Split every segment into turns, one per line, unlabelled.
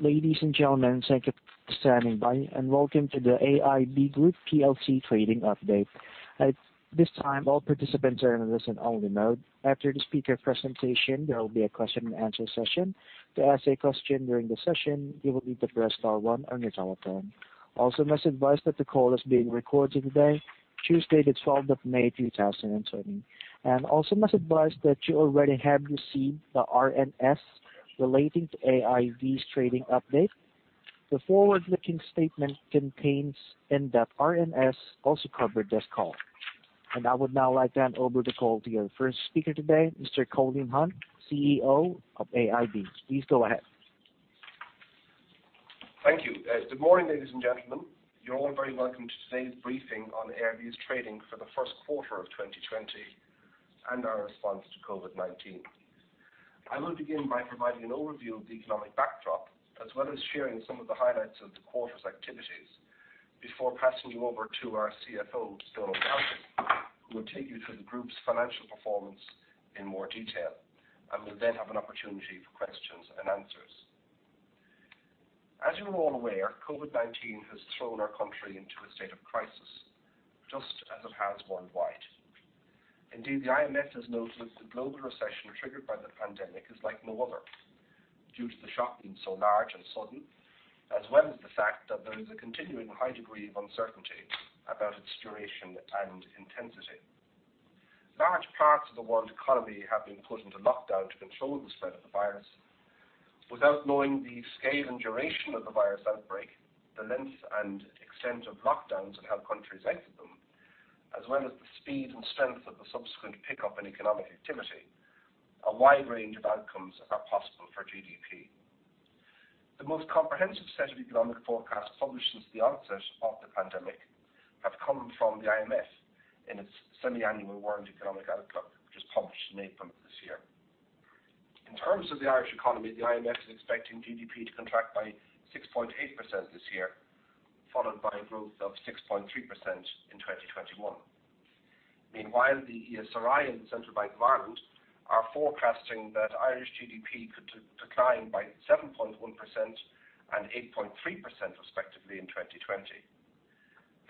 Ladies and gentlemen, thank you for standing by, and welcome to the AIB Group PLC trading update. At this time, all participants are in a listen-only mode. After the speaker presentation, there will be a question and answer session. To ask a question during the session, you will need to press star one on your telephone. Also, I must advise that the call is being recorded today, Tuesday, the 12th of May, 2020. Also must advise that you already have received the RNS relating to AIB's trading update. The forward-looking statement contained in that RNS also cover this call. I would now like to hand over the call to your first speaker today, Mr. Colin Hunt, CEO of AIB Group. Please go ahead.
Thank you. Good morning, ladies and gentlemen. You're all very welcome to today's briefing on AIB's trading for the first quarter of 2020 and our response to COVID-19. I will begin by providing an overview of the economic backdrop, as well as sharing some of the highlights of the quarter's activities before passing you over to our CFO, Donal Galvin, who will take you through the group's financial performance in more detail, and we'll then have an opportunity for questions and answers. As you are all aware, COVID-19 has thrown our country into a state of crisis, just as it has worldwide. Indeed, the IMF has noted the global recession triggered by the pandemic is like no other due to the shock being so large and sudden, as well as the fact that there is a continuing high degree of uncertainty about its duration and intensity. Large parts of the world economy have been put into lockdown to control the spread of the virus. Without knowing the scale and duration of the virus outbreak, the length and extent of lockdowns and how countries exit them, as well as the speed and strength of the subsequent pickup in economic activity, a wide range of outcomes are possible for GDP. The most comprehensive set of economic forecasts published since the onset of the pandemic have come from the IMF in its semiannual World Economic Outlook, which was published in April of this year. In terms of the Irish economy, the IMF is expecting GDP to contract by 6.8% this year, followed by growth of 6.3% in 2021. Meanwhile, the ESRI and Central Bank of Ireland are forecasting that Irish GDP could decline by 7.1% and 8.3%, respectively, in 2020.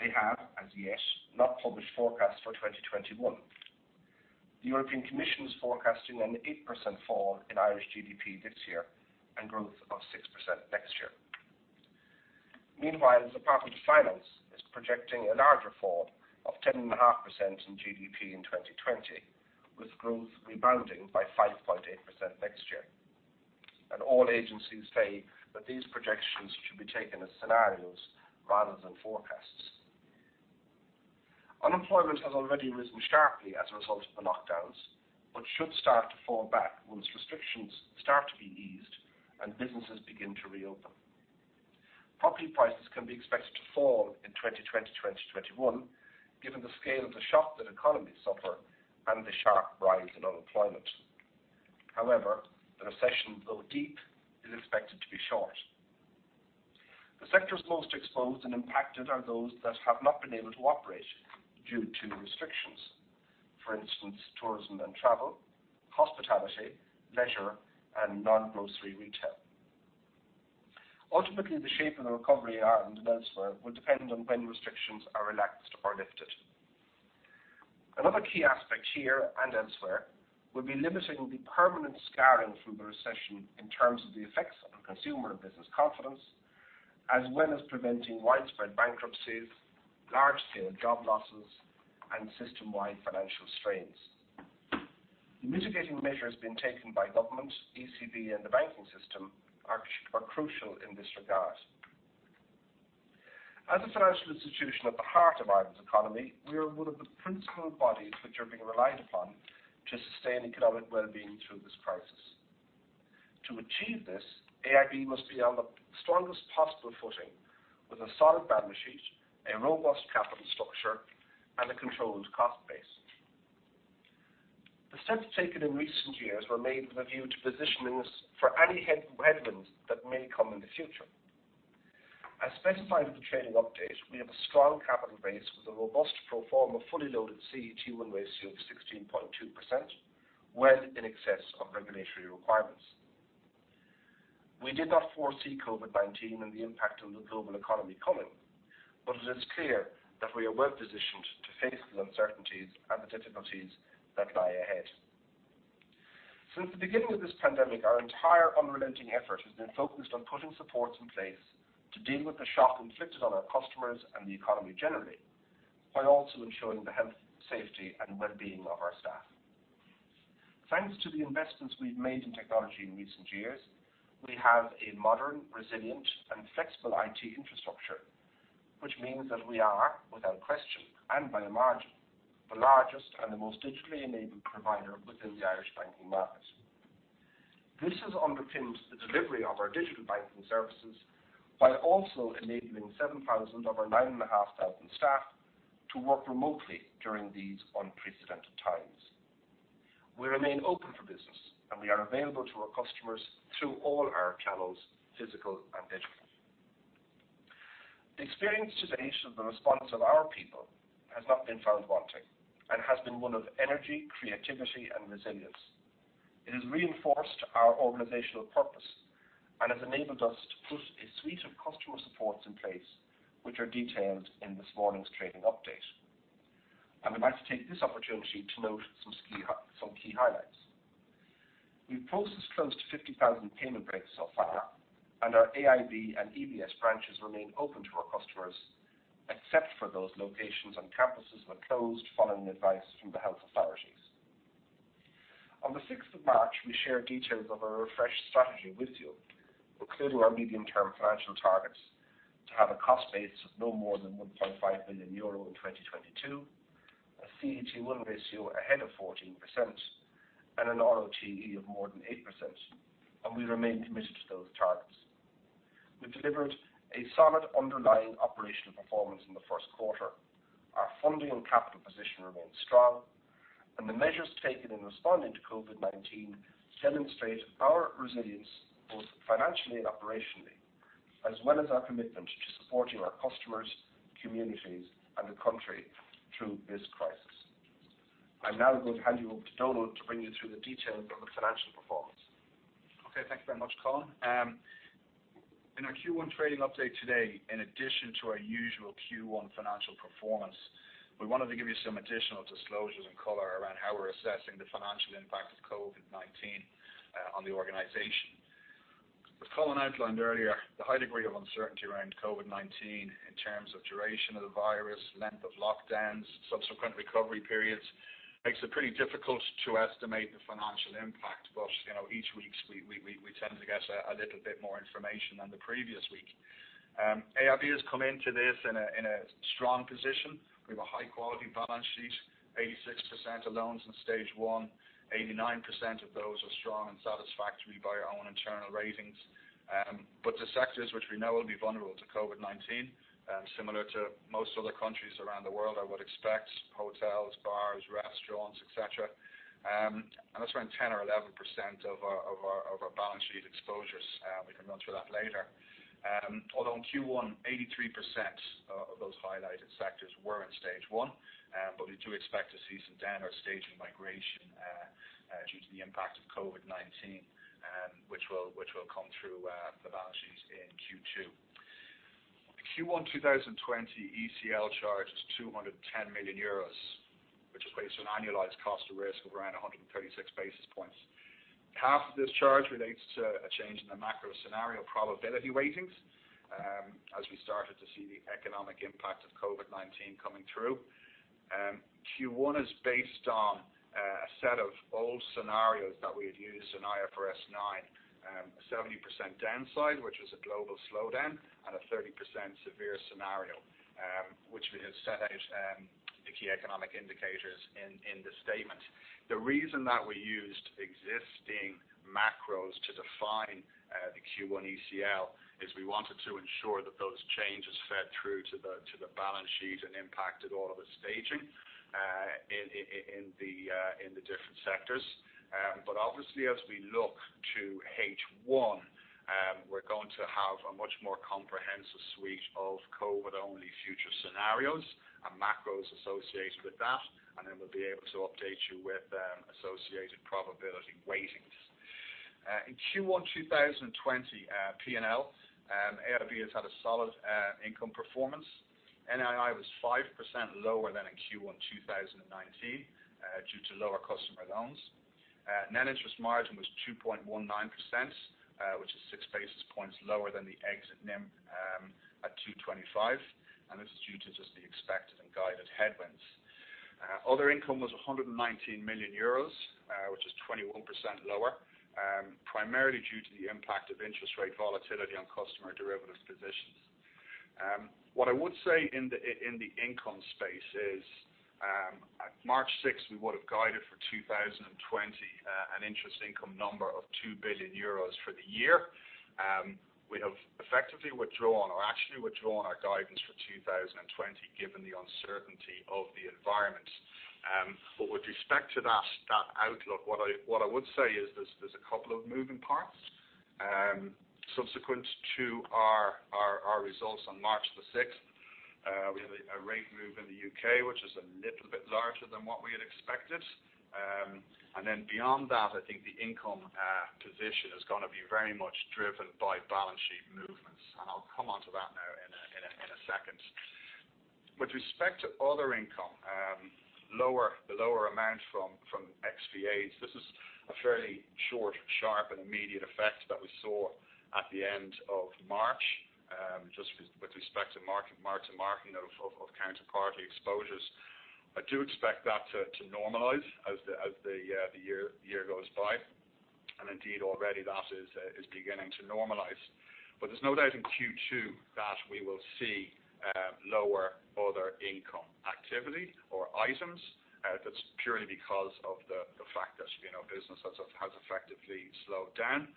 They have, as yet, not published forecasts for 2021. The European Commission is forecasting an 8% fall in Irish GDP this year and growth of 6% next year. Meanwhile, the Department of Finance is projecting a larger fall of 10.5% in GDP in 2020, with growth rebounding by 5.8% next year, and all agencies say that these projections should be taken as scenarios rather than forecasts. Unemployment has already risen sharply as a result of the lockdowns but should start to fall back once restrictions start to be eased and businesses begin to reopen. Property prices can be expected to fall in 2020-2021 given the scale of the shock that economies suffer and the sharp rise in unemployment. However, the recession, though deep, is expected to be short. The sectors most exposed and impacted are those that have not been able to operate due to restrictions. For instance, tourism and travel, hospitality, leisure, and non-grocery retail. Ultimately, the shape of the recovery in Ireland and elsewhere will depend on when restrictions are relaxed or lifted. Another key aspect here and elsewhere will be limiting the permanent scarring from the recession in terms of the effects on consumer and business confidence, as well as preventing widespread bankruptcies, large-scale job losses, and system-wide financial strains. The mitigating measures being taken by government, ECB, and the banking system are crucial in this regard. As a financial institution at the heart of Ireland's economy, we are one of the principal bodies which are being relied upon to sustain economic well-being through this crisis. To achieve this, AIB must be on the strongest possible footing with a solid balance sheet, a robust capital structure, and a controlled cost base. The steps taken in recent years were made with a view to positioning us for any headwinds that may come in the future. As specified in the trading update, we have a strong capital base with a robust pro forma fully loaded CET1 ratio of 16.2%, well in excess of regulatory requirements. We did not foresee COVID-19 and the impact on the global economy coming, but it is clear that we are well-positioned to face the uncertainties and the difficulties that lie ahead. Since the beginning of this pandemic, our entire unrelenting effort has been focused on putting supports in place to deal with the shock inflicted on our customers and the economy generally, while also ensuring the health, safety, and well-being of our staff. Thanks to the investments we've made in technology in recent years, we have a modern, resilient, and flexible IT infrastructure, which means that we are, without question and by a margin, the largest and the most digitally-enabled provider within the Irish banking market. This has underpinned the delivery of our digital banking services while also enabling 7,000 of our 9,500 staff to work remotely during these unprecedented times. We remain open for business, and we are available to our customers through all our channels, physical and digital. The experience to date of the response of our people has not been found wanting and has been one of energy, creativity, and resilience. It has reinforced our organizational purpose and has enabled us to put a suite of customer supports in place, which are detailed in this morning's trading update. We'd like to take this opportunity to note some key highlights. We've processed close to 50,000 payment breaks so far, and our AIB and EBS branches remain open to our customers, except for those locations and campuses that closed following the advice from the health authorities. On the 6th of March, we shared details of our refreshed strategy with you, including our medium-term financial targets to have a cost base of no more than 1.5 billion euro in 2022, a CET1 ratio ahead of 14%, and an RoTE of more than 8%, and we remain committed to those targets. We've delivered a solid underlying operational performance in the first quarter. Our funding and capital position remains strong, and the measures taken in responding to COVID-19 demonstrate our resilience, both financially and operationally, as well as our commitment to supporting our customers, communities, and the country through this crisis. I'm now going to hand you over to Donal to bring you through the details of the financial performance.
Okay. Thank you very much, Colin. In our Q1 trading update today, in addition to our usual Q1 financial performance, we wanted to give you some additional disclosures and color around how we're assessing the financial impact of COVID-19 on the organization. As Colin outlined earlier, the high degree of uncertainty around COVID-19 in terms of duration of the virus, length of lockdowns, subsequent recovery periods, makes it pretty difficult to estimate the financial impact, but each week we tend to get a little bit more information than the previous week. AIB has come into this in a strong position. We have a high-quality balance sheet, 86% of loans in stage one, 89% of those are strong and satisfactory by our own internal ratings. The sectors which we know will be vulnerable to COVID-19, similar to most other countries around the world, I would expect, hotels, bars, restaurants, et cetera, and that's around 10% or 11% of our balance sheet exposures. We can run through that later. Although in Q1, 83% of those highlighted sectors were in stage one. We do expect to see some downward staging migration due to the impact of COVID-19, which will come through the balance sheets in Q2. Q1 2020 ECL charge is 210 million euros, which equates to an annualized cost of risk of around 136 basis points. Half of this charge relates to a change in the macro scenario probability weightings, as we started to see the economic impact of COVID-19 coming through. Q1 is based on a set of old scenarios that we had used in IFRS 9, a 70% downside, which is a global slowdown, and a 30% severe scenario, which we have set out the key economic indicators in the statement. The reason that we used existing macros to define the Q1 ECL is we wanted to ensure that those changes fed through to the balance sheet and impacted all of the staging in the different sectors. Obviously, as we look to H1, we're going to have a much more comprehensive suite of COVID-only future scenarios and macros associated with that, and then we'll be able to update you with associated probability weightings. In Q1 2020, P&L, AIB has had a solid income performance. NII was 5% lower than in Q1 2019 due to lower customer loans. Net interest margin was 2.19%, which is six basis points lower than the exit NIM at 225, this is due to just the expected and guided headwinds. Other income was 119 million euros, which is 21% lower, primarily due to the impact of interest rate volatility on customer derivatives positions. What I would say in the income space is, at March 6, we would have guided for 2020 an interest income number of 2 billion euros for the year. We have effectively withdrawn or actually withdrawn our guidance for 2020 given the uncertainty of the environment. With respect to that outlook, what I would say is there's a couple of moving parts. Subsequent to our results on March 6, we had a rate move in the U.K., which is a little bit larger than what we had expected. Beyond that, I think the income position is going to be very much driven by balance sheet movements, and I'll come on to that now in a second. With respect to other income, the lower amount from XVAs, this is a fairly short, sharp, and immediate effect that we saw at the end of March, just with respect to mark-to-market of counterparty exposures. I do expect that to normalize as the year goes by. Indeed, already that is beginning to normalize. There's no doubt in Q2 that we will see lower other income activity or items. That's purely because of the fact that business has effectively slowed down.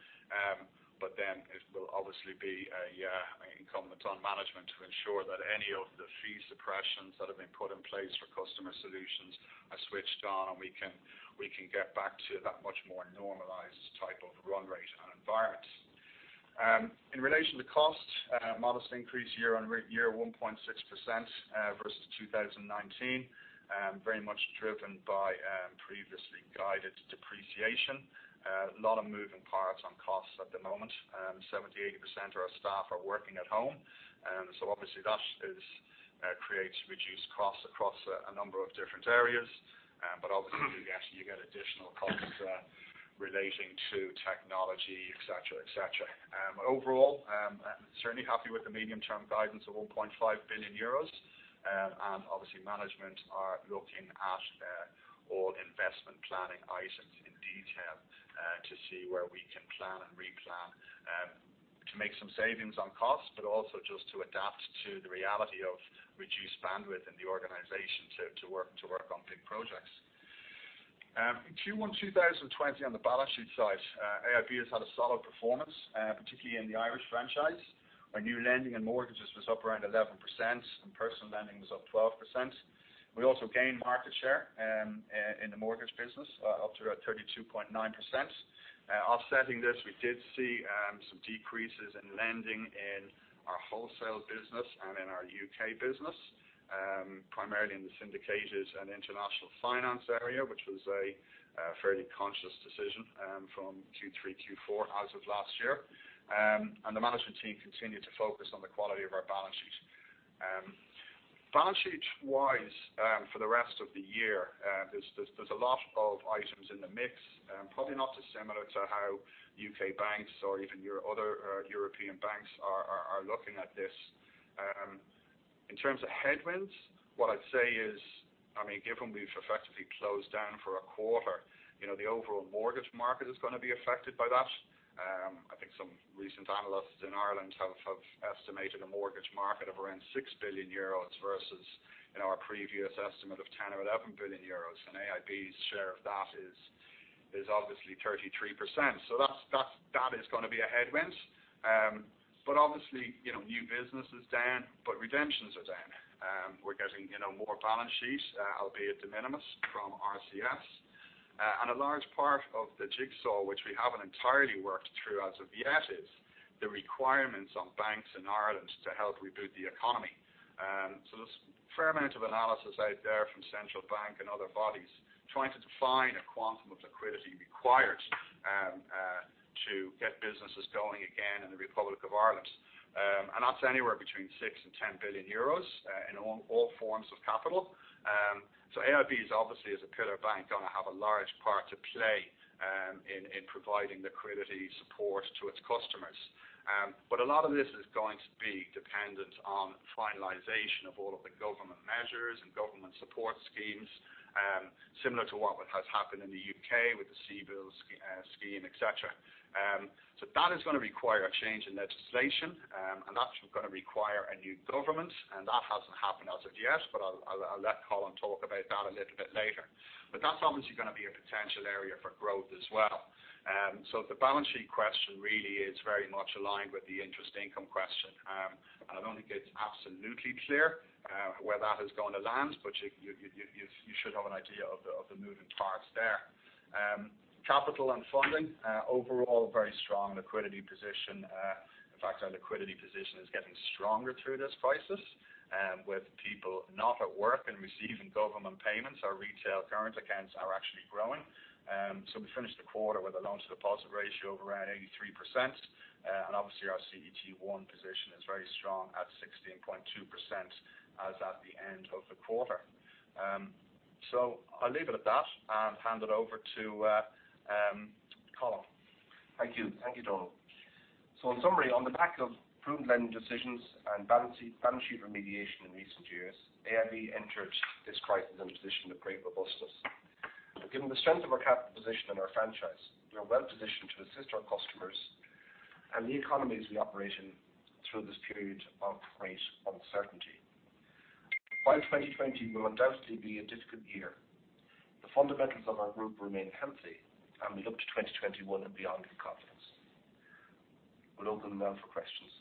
It will obviously be an incumbent on management to ensure that any of the fee suppressions that have been put in place for customer solutions are switched on, and we can get back to that much more normalized type of run rate and environment. In relation to costs, modest increase year-on-year, 1.6% versus 2019, very much driven by previously guided depreciation. A lot of moving parts on costs at the moment. 78% of our staff are working at home, so obviously that creates reduced costs across a number of different areas. Yes, you get additional costs relating to technology, et cetera. Overall, certainly happy with the medium-term guidance of 1.5 billion euros. Obviously management are looking at all investment planning items in detail to see where we can plan and replan to make some savings on costs, but also just to adapt to the reality of reduced bandwidth in the organization to work on big projects. In Q1 2020 on the balance sheet side, AIB has had a solid performance, particularly in the Irish franchise, where new lending and mortgages was up around 11% and personal lending was up 12%. We also gained market share in the mortgage business up to around 32.9%. Offsetting this, we did see some decreases in lending in our wholesale business and in our UK business, primarily in the syndicators and international finance area, which was a fairly conscious decision from Q3, Q4 as of last year. The management team continued to focus on the quality of our balance sheet. Balance sheet wise, for the rest of the year, there's a lot of items in the mix, probably not dissimilar to how U.K. banks or even other European banks are looking at this. In terms of headwinds, what I'd say is, given we've effectively closed down for a quarter, the overall mortgage market is going to be affected by that. I think some recent analysts in Ireland have estimated a mortgage market of around 6 billion euros versus our previous estimate of 10 billion or 11 billion euros. AIB's share of that is obviously 33%. That is going to be a headwind. Obviously, new business is down, but redemptions are down. We're getting more balance sheets, albeit de minimis, from RCFs. A large part of the jigsaw, which we haven't entirely worked through as of yet, is the requirements on banks in Ireland to help reboot the economy. There's a fair amount of analysis out there from Central Bank and other bodies trying to define a quantum of liquidity required to get businesses going again in the Republic of Ireland. That's anywhere between 6 billion and 10 billion euros in all forms of capital. AIB, obviously, as a pillar bank, going to have a large part to play in providing liquidity support to its customers. A lot of this is going to be dependent on finalization of all of the government measures and government support schemes, similar to what has happened in the U.K. with the CBILS scheme, et cetera. That is going to require a change in legislation, and that's going to require a new government, and that hasn't happened as of yet, but I'll let Colin talk about that a little bit later. That's obviously going to be a potential area for growth as well. the balance sheet question really is very much aligned with the interest income question, and I don't think it's absolutely clear where that is going to land, but you should have an idea of the moving parts there. Capital and funding. Overall, very strong liquidity position. In fact, our liquidity position is getting stronger through this crisis. With people not at work and receiving government payments, our retail current accounts are actually growing. We finished the quarter with a loan-to-deposit ratio of around 83%, and obviously our CET1 position is very strong at 16.2% as at the end of the quarter. I'll leave it at that and hand it over to Colin.
Thank you. Thank you, Donal. In summary, on the back of prudent lending decisions and balance sheet remediation in recent years, AIB entered this crisis in a position of great robustness. Given the strength of our capital position and our franchise, we are well positioned to assist our customers and the economies we operate in through this period of great uncertainty. While 2020 will undoubtedly be a difficult year, the fundamentals of our group remain healthy, and we look to 2021 and beyond with confidence. We'll open now for questions.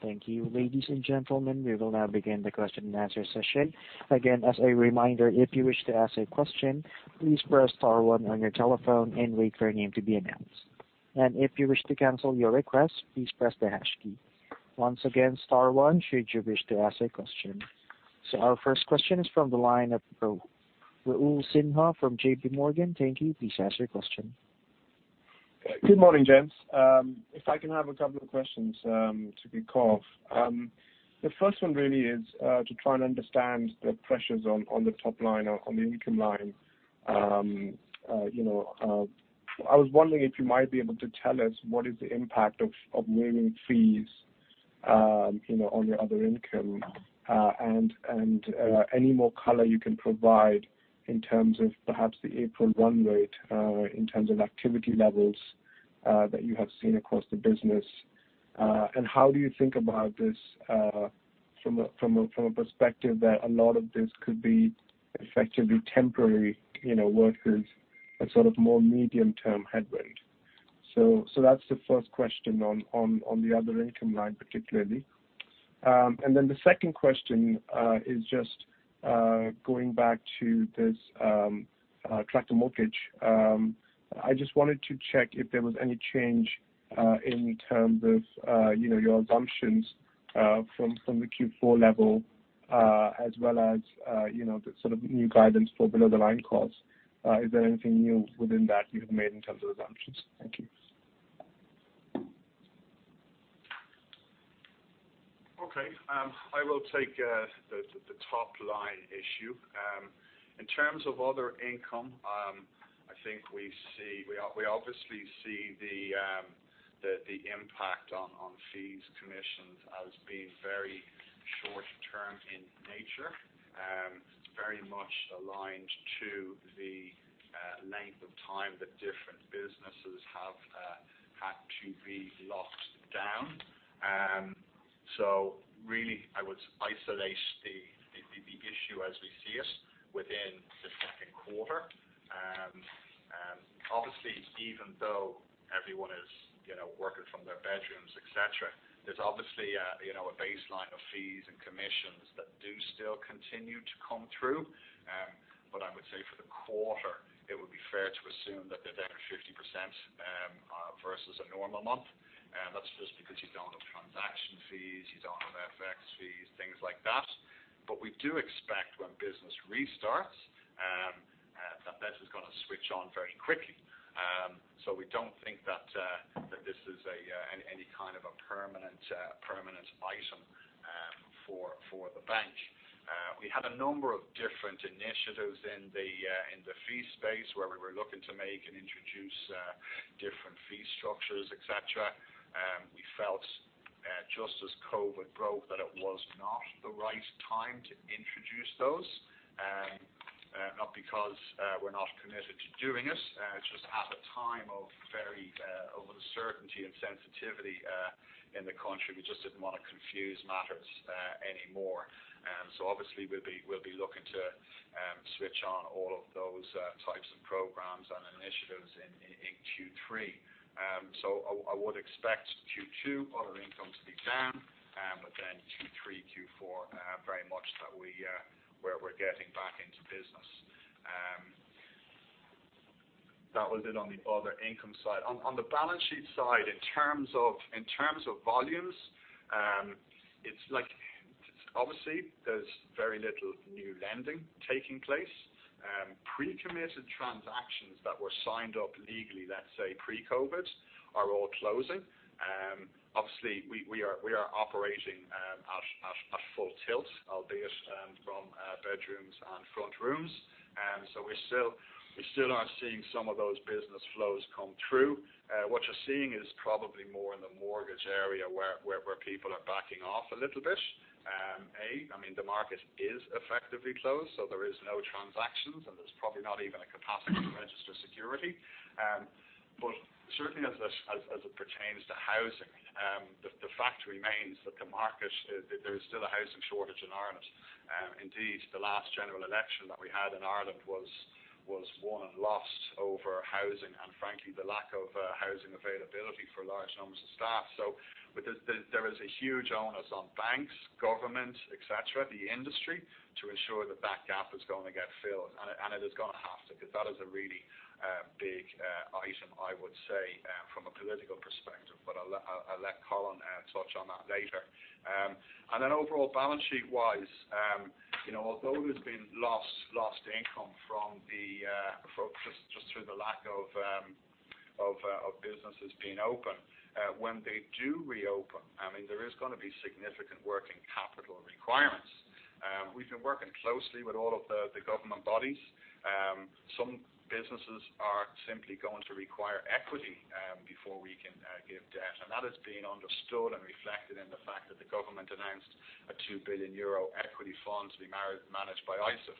Thank you. Ladies and gentlemen, we will now begin the question and answer session. Again, as a reminder, if you wish to ask a question, please press star one on your telephone and wait for your name to be announced. If you wish to cancel your request, please press the hash key. Once again, star one should you wish to ask a question. Our first question is from the line of Raul Sinha from J.P. Morgan. Thank you. Please ask your question.
Good morning, gents. If I can have a couple of questions to kick off. The first one really is to try and understand the pressures on the top line, on the income line. I was wondering if you might be able to tell us what is the impact of waiving fees on your other income, and any more color you can provide in terms of perhaps the April run rate in terms of activity levels that you have seen across the business. How do you think about this from a perspective that a lot of this could be effectively temporary workers and sort of more medium-term head rate? That's the first question on the other income line particularly. The second question is just going back to this tracker mortgage. I just wanted to check if there was any change in terms of your assumptions from the Q4 level, as well as the sort of new guidance for below-the-line costs. Is there anything new within that you have made in terms of assumptions? Thank you.
Okay. I will take the top-line issue. In terms of other income, I think we obviously see the impact on fees, commissions as being very short term in nature, very much aligned to the length of time that different businesses have had to be locked down. really, I would isolate the issue as we see it within the second quarter. Obviously, even though everyone is working from their bedrooms, et cetera, there's obviously a baseline of fees and commissions that do still continue to come through. I would say for the quarter, it would be fair to assume that they're down 50% versus a normal month. That's just because you don't have transaction fees, you don't have FX fees, things like that. we do expect when business restarts, that that is going to switch on very quickly. We don't think that this is any kind of a permanent item for the bank. We had a number of different initiatives in the fee space where we were looking to make and introduce different fee structures, et cetera. We felt just as COVID broke, that it was not the right time to introduce those. Not because we're not committed to doing it, just at a time of uncertainty and sensitivity in the country, we just didn't want to confuse matters any more. Obviously we'll be looking to switch on all of those types of programs and initiatives in Q3. I would expect Q2 other income to be down, but then Q3, Q4 very much where we're getting back into business. That was it on the other income side. On the balance sheet side, in terms of volumes, obviously there's very little new lending taking place. Pre-committed transactions that were signed up legally, let's say pre-COVID, are all closing. Obviously, we are operating at full tilt, albeit from bedrooms and front rooms. We still are seeing some of those business flows come through. What you're seeing is probably more in the mortgage area where people are backing off a little bit. I mean, the market is effectively closed, so there is no transactions and there's probably not even a capacity to register security. Certainly as it pertains to housing, the fact remains that there's still a housing shortage in Ireland. Indeed, the last general election that we had in Ireland was won and lost over housing, and frankly, the lack of housing availability for large numbers of staff. There is a huge onus on banks, government, et cetera, the industry, to ensure that that gap is going to get filled, and it is going to have to because that is a really big item, I would say, from a political perspective. I'll let Colin touch on that later. Overall, balance sheet wise, although there's been lost income just through the lack of businesses being open, when they do reopen, there is going to be significant working capital requirements. We've been working closely with all of the government bodies. Some businesses are simply going to require equity before we can give debt, and that is being understood and reflected in the fact that the government announced a 2 billion euro equity fund to be managed by ISIF.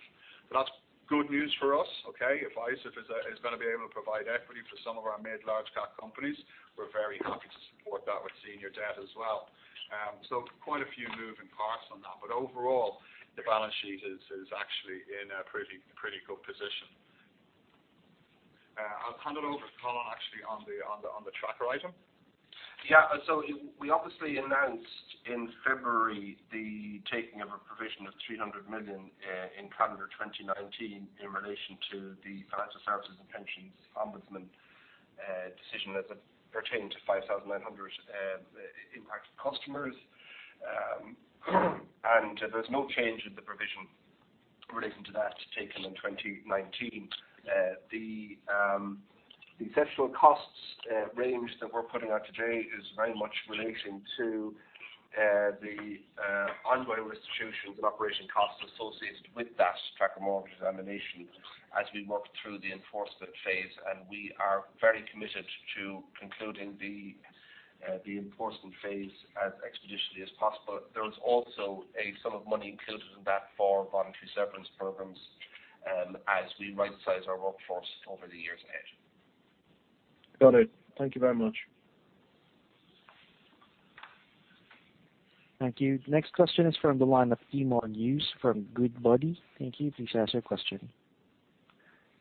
That's good news for us, okay? If ISIF is going to be able to provide equity for some of our mid, large cap companies, we're very happy to support that with senior debt as well. Quite a few moving parts on that. Overall, the balance sheet is actually in a pretty good position. I'll hand it over to Colin actually on the tracker item.
Yeah. We obviously announced in February the taking of a provision of 300 million in calendar 2019 in relation to the Financial Services and Pensions Ombudsman decision as it pertained to 5,900 impacted customers. There's no change in the provision relating to that taken in 2019. The exceptional costs range that we're putting out today is very much relating to the ongoing restitution and operation costs associated with that tracker mortgage examination as we work through the enforcement phase, and we are very committed to concluding the enforcement phase as expeditiously as possible. There is also a sum of money included in that for voluntary severance programs as we rightsize our workforce over the years ahead.
Got it. Thank you very much.
Thank you. Next question is from the line of Eamonn Hughes from Goodbody. Thank you. Please ask your question.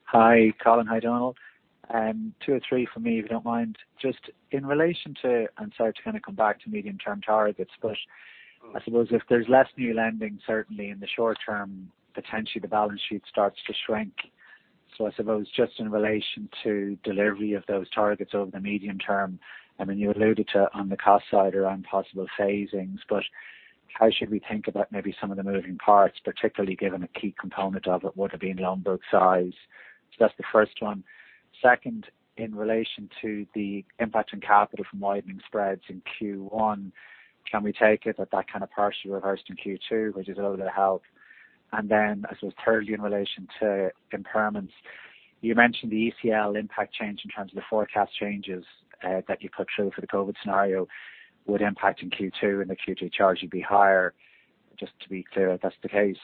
Hi, Colin. Hi, Donal. Two or three from me, if you don't mind. Just in relation to, and sorry to kind of come back to medium-term targets, but I suppose if there's less new lending, certainly in the short term, potentially the balance sheet starts to shrink. I suppose just in relation to delivery of those targets over the medium term, you alluded to on the cost side around possible phasings, but how should we think about maybe some of the moving parts, particularly given a key component of it would have been loan book size? That's the first one. Second, in relation to the impact on capital from widening spreads in Q1, can we take it that that kind of partially reversed in Q2, which is a little bit of help? I suppose thirdly, in relation to impairments, you mentioned the ECL impact change in terms of the forecast changes, that you put through for the COVID scenario would impact in Q2, and the Q2 charge would be higher. Just to be clear if that's the case,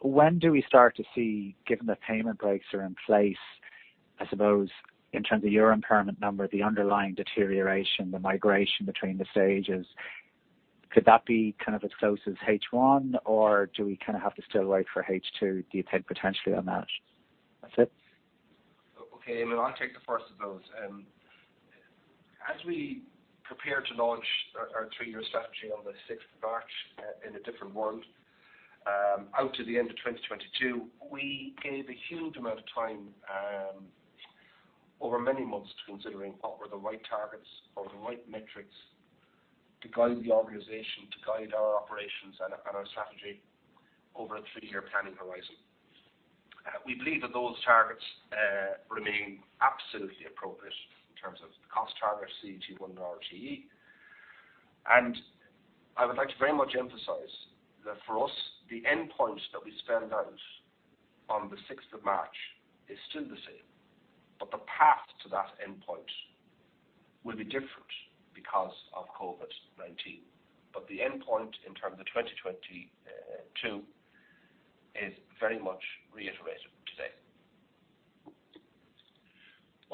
when do we start to see, given that payment breaks are in place, I suppose, in terms of your impairment number, the underlying deterioration, the migration between the stages, could that be kind of as close as H1, or do we kind of have to still wait for H2 do you think, potentially on that? That's it.
Okay. I'll take the first of those. As we prepare to launch our three-year strategy on the 6th of March in a different world, out to the end of 2022, we gave a huge amount of time, over many months, to considering what were the right targets or the right metrics to guide the organization, to guide our operations and our strategy over a three-year planning horizon. We believe that those targets remain absolutely appropriate in terms of the cost targets, CET1 and RoTE. I would like to very much emphasize that for us, the endpoint that we spelled out on the 6th of March is still the same, but the path to that endpoint will be different because of COVID-19. The endpoint in terms of 2022 is very much reiterated today.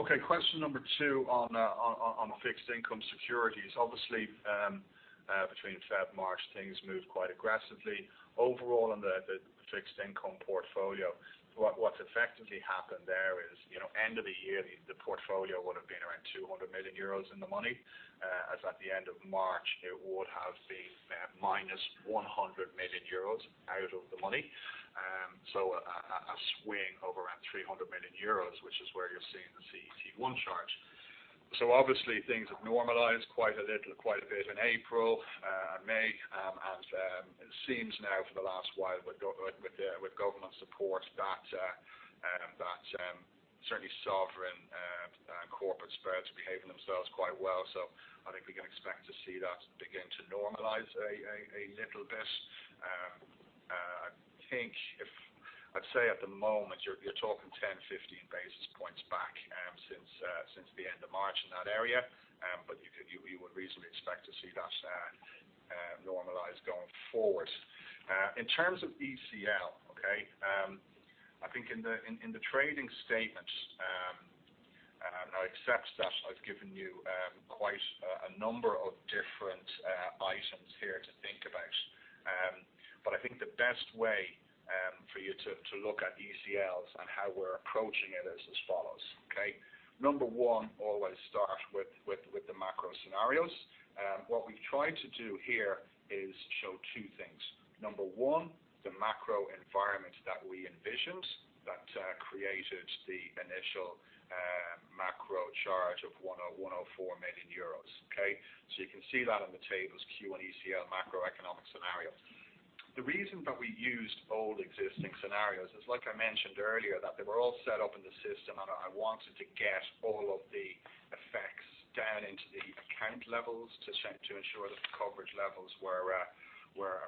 Okay, question number two on fixed income securities. Obviously, between February and March, things moved quite aggressively overall in the fixed income portfolio. What's effectively happened there is end of the year, the portfolio would've been around 200 million euros in the money, as at the end of March, it would have been -100 million euros out of the money. A swing of around 300 million euros, which is where you're seeing the CET1 charge. Obviously things have normalized quite a little, quite a bit in April, May, and it seems now for the last while with government support that certainly sovereign and corporate spreads are behaving themselves quite well. I think we can expect to see that begin to normalize a little bit. I'd say at the moment you're talking 10-15 basis points back since the end of March in that area, but you would reasonably expect to see that normalize going forward. In terms of ECL, okay, I think in the trading statements, and I accept that I've given you quite a number of different items here to think about, but I think the best way for you to look at ECLs and how we're approaching it is as follows, okay. Number one, always start with the macro scenarios. What we've tried to do here is show two things. Number one, the macro environment that we envisioned that created the initial macro charge of 104 million euros, okay. you can see that on the tables, Q1 ECL macroeconomic scenario. The reason that we used old existing scenarios is, like I mentioned earlier, that they were all set up in the system, and I wanted to get all of the effects down into the account levels to ensure that the coverage levels were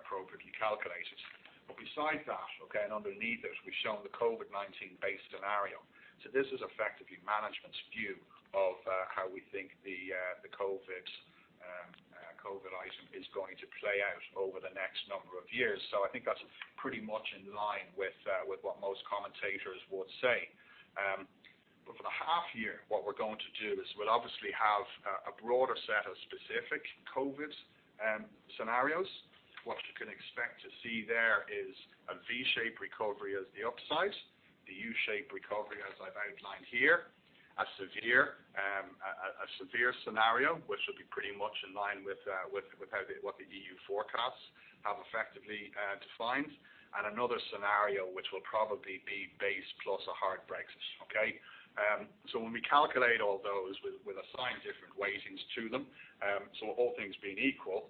appropriately calculated. Besides that, okay, and underneath it, we've shown the COVID-19 base scenario. This is effectively management's view of how we think the COVID item is going to play out over the next number of years. I think that's pretty much in line with what most commentators would say. For the half year, what we're going to do is we'll obviously have a broader set of specific COVID scenarios. What you can expect to see there is a V-shaped recovery as the upside, the U-shaped recovery as I've outlined here, a severe scenario which will be pretty much in line with what the EU forecasts have effectively defined, and another scenario which will probably be base plus a hard Brexit, okay. When we calculate all those, we'll assign different weightings to them. All things being equal,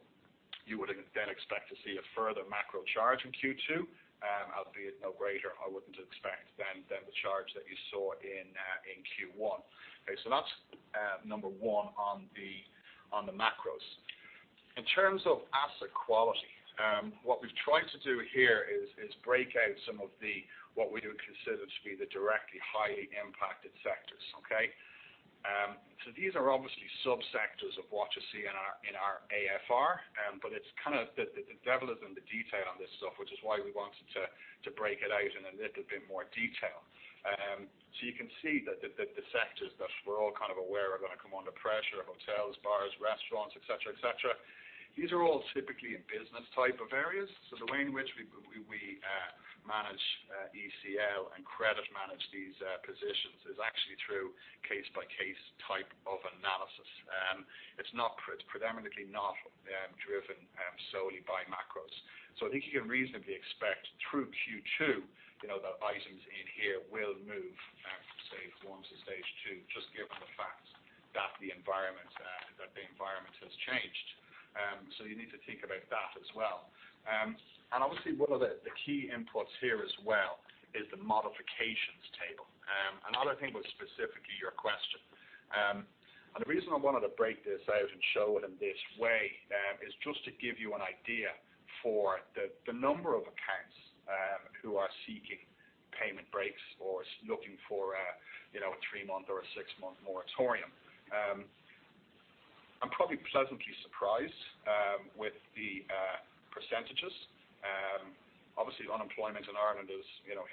you would then expect to see a further macro charge in Q2, albeit no greater, I wouldn't expect, than the charge that you saw in Q1. Okay, so that's number one on the macros. In terms of asset quality, what we've tried to do here is break out some of what we would consider to be the directly highly impacted sectors, okay. These are obviously sub-sectors of what you see in our AFR, but the devil is in the detail on this stuff, which is why we wanted to break it out in a little bit more detail. You can see that the sectors that we're all kind of aware of come under pressure, hotels, bars, restaurants, et cetera. These are all typically business type of areas. The way in which we manage ECL and credit manage these positions is actually through case-by-case type of analysis. It's predominantly not driven solely by macros. I think you can reasonably expect through Q2 that items in here will move, say, from stage one to stage two, just given the fact that the environment has changed. You need to think about that as well. Obviously one of the key inputs here as well is the modifications table. Another thing was specific to your question. The reason I wanted to break this out and show it in this way is just to give you an idea for the number of accounts who are seeking payment breaks or looking for a three-month or a six-month moratorium. I'm probably pleasantly surprised with the percentages. Obviously, unemployment in Ireland hit 28%,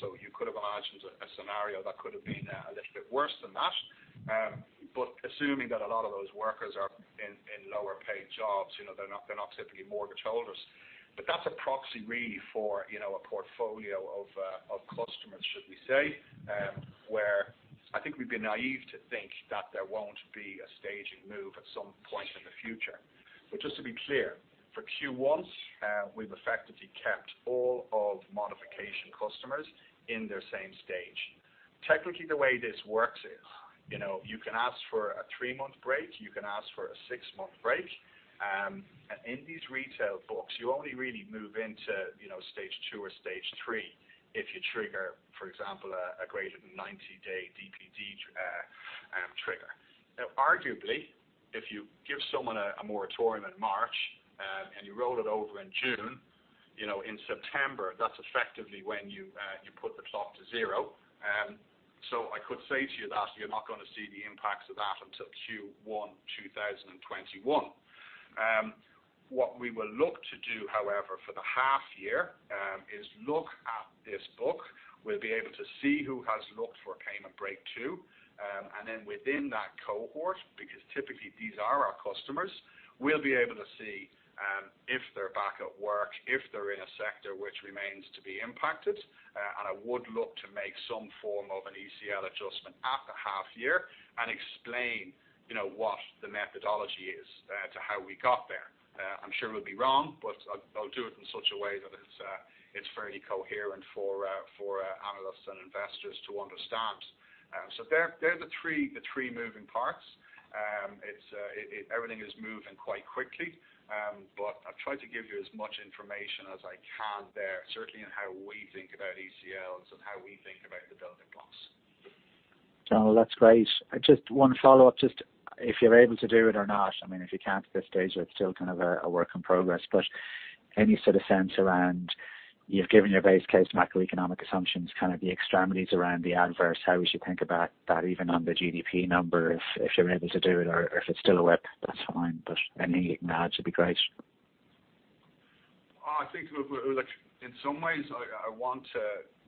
so you could have imagined a scenario that could have been a little bit worse than that. Assuming that a lot of those workers are in lower paid jobs, they're not typically mortgage holders. That's a proxy really for a portfolio of customers, should we say, where I think we'd be naive to think that there won't be a staging move at some point in the future. Just to be clear, for Q1, we've effectively kept all of modification customers in their same stage. Technically, the way this works is you can ask for a three-month break, you can ask for a six-month break. In these retail books, you only really move into stage two or stage three if you trigger, for example, a greater than 90-day DPD trigger. Now, arguably, if you give someone a moratorium in March and you roll it over in June, in September, that's effectively when you put the clock to zero. I could say to you that you're not going to see the impacts of that until Q1 2021. What we will look to do, however, for the half year, is look at this book. We'll be able to see who has looked for a payment break, too. Within that cohort, because typically these are our customers, we'll be able to see if they're back at work, if they're in a sector which remains to be impacted. I would look to make some form of an ECL adjustment at the half year and explain what the methodology is to how we got there. I'm sure we'll be wrong, but I'll do it in such a way that it's fairly coherent for analysts and investors to understand. They're the three moving parts. Everything is moving quite quickly, but I've tried to give you as much information as I can there, certainly in how we think about ECLs and how we think about the building blocks.
No, that's great. Just one follow-up, just if you're able to do it or not. If you can't at this stage, or it's still a work in progress, but any sort of sense around, you've given your base case macroeconomic assumptions, kind of the extremities around the adverse, how we should think about that even on the GDP number, if you're able to do it or if it's still a WIP, that's fine. Anything you can add should be great.
I think, look, in some ways, I want to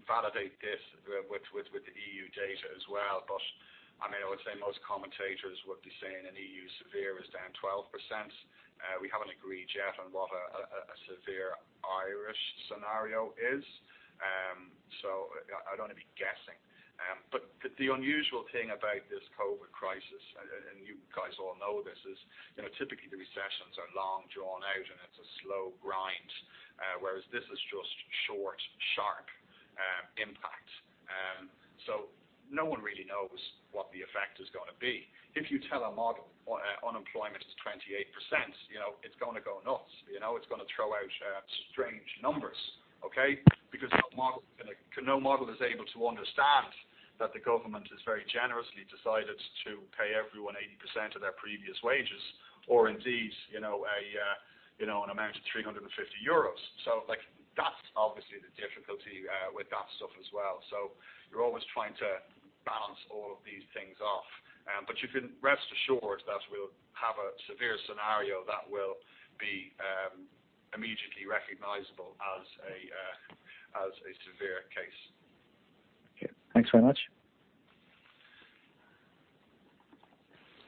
validate this with the EU data as well, but I would say most commentators would be saying an EU severe is down 12%. We haven't agreed yet on what a severe Irish scenario is. I'd only be guessing. The unusual thing about this COVID crisis, and you guys all know this, is typically the recessions are long drawn out and it's a slow grind, whereas this is just short, sharp impact. No one really knows what the effect is going to be. If you tell a model unemployment is 28%, it's going to go nuts. It's going to throw out strange numbers, okay? Because no model is able to understand that the government has very generously decided to pay everyone 80% of their previous wages, or indeed, an amount of 350 euros. That's obviously the difficulty with that stuff as well. you're always trying to balance all of these things off. you can rest assured that we'll have a severe scenario that will be immediately recognizable as a severe case.
Okay. Thanks very much.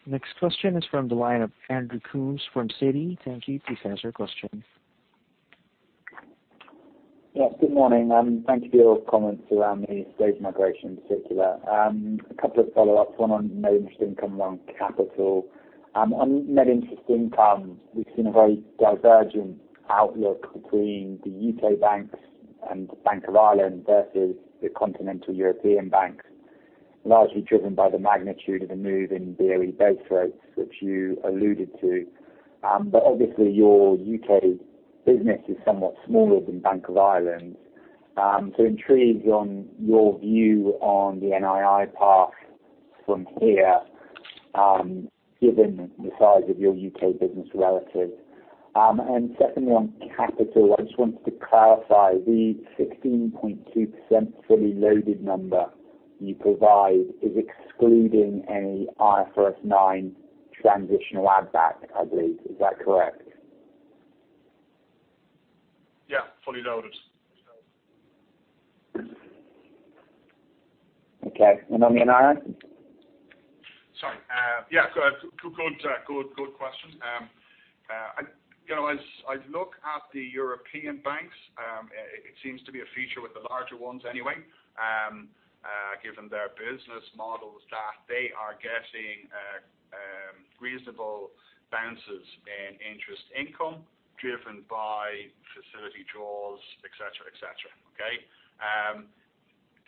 Next question is from the line of Andrew Coombs from Citi. Thank you. Please ask your question.
Yes, good morning. Thank you for your comments around the stage migration in particular. A couple of follow-ups, one on net interest income, one capital. On net interest income, we've seen a very divergent outlook between the U.K. banks and Bank of Ireland versus the continental European banks, largely driven by the magnitude of the move in BoE base rates, which you alluded to. Obviously your U.K. business is somewhat smaller than Bank of Ireland. Intrigued on your view on the NII path from here, given the size of your U.K. business relative. Secondly, on capital, I just wanted to clarify the 16.2% fully loaded number you provide is excluding any IFRS 9 transitional add back, I believe. Is that correct?
Fully loaded.
Okay. You want me to
Sorry. Yeah, good question. As I look at the European banks it seems to be a feature with the larger ones anyway, given their business models, that they are getting reasonable bounces in interest income driven by facility draws, et cetera. Okay?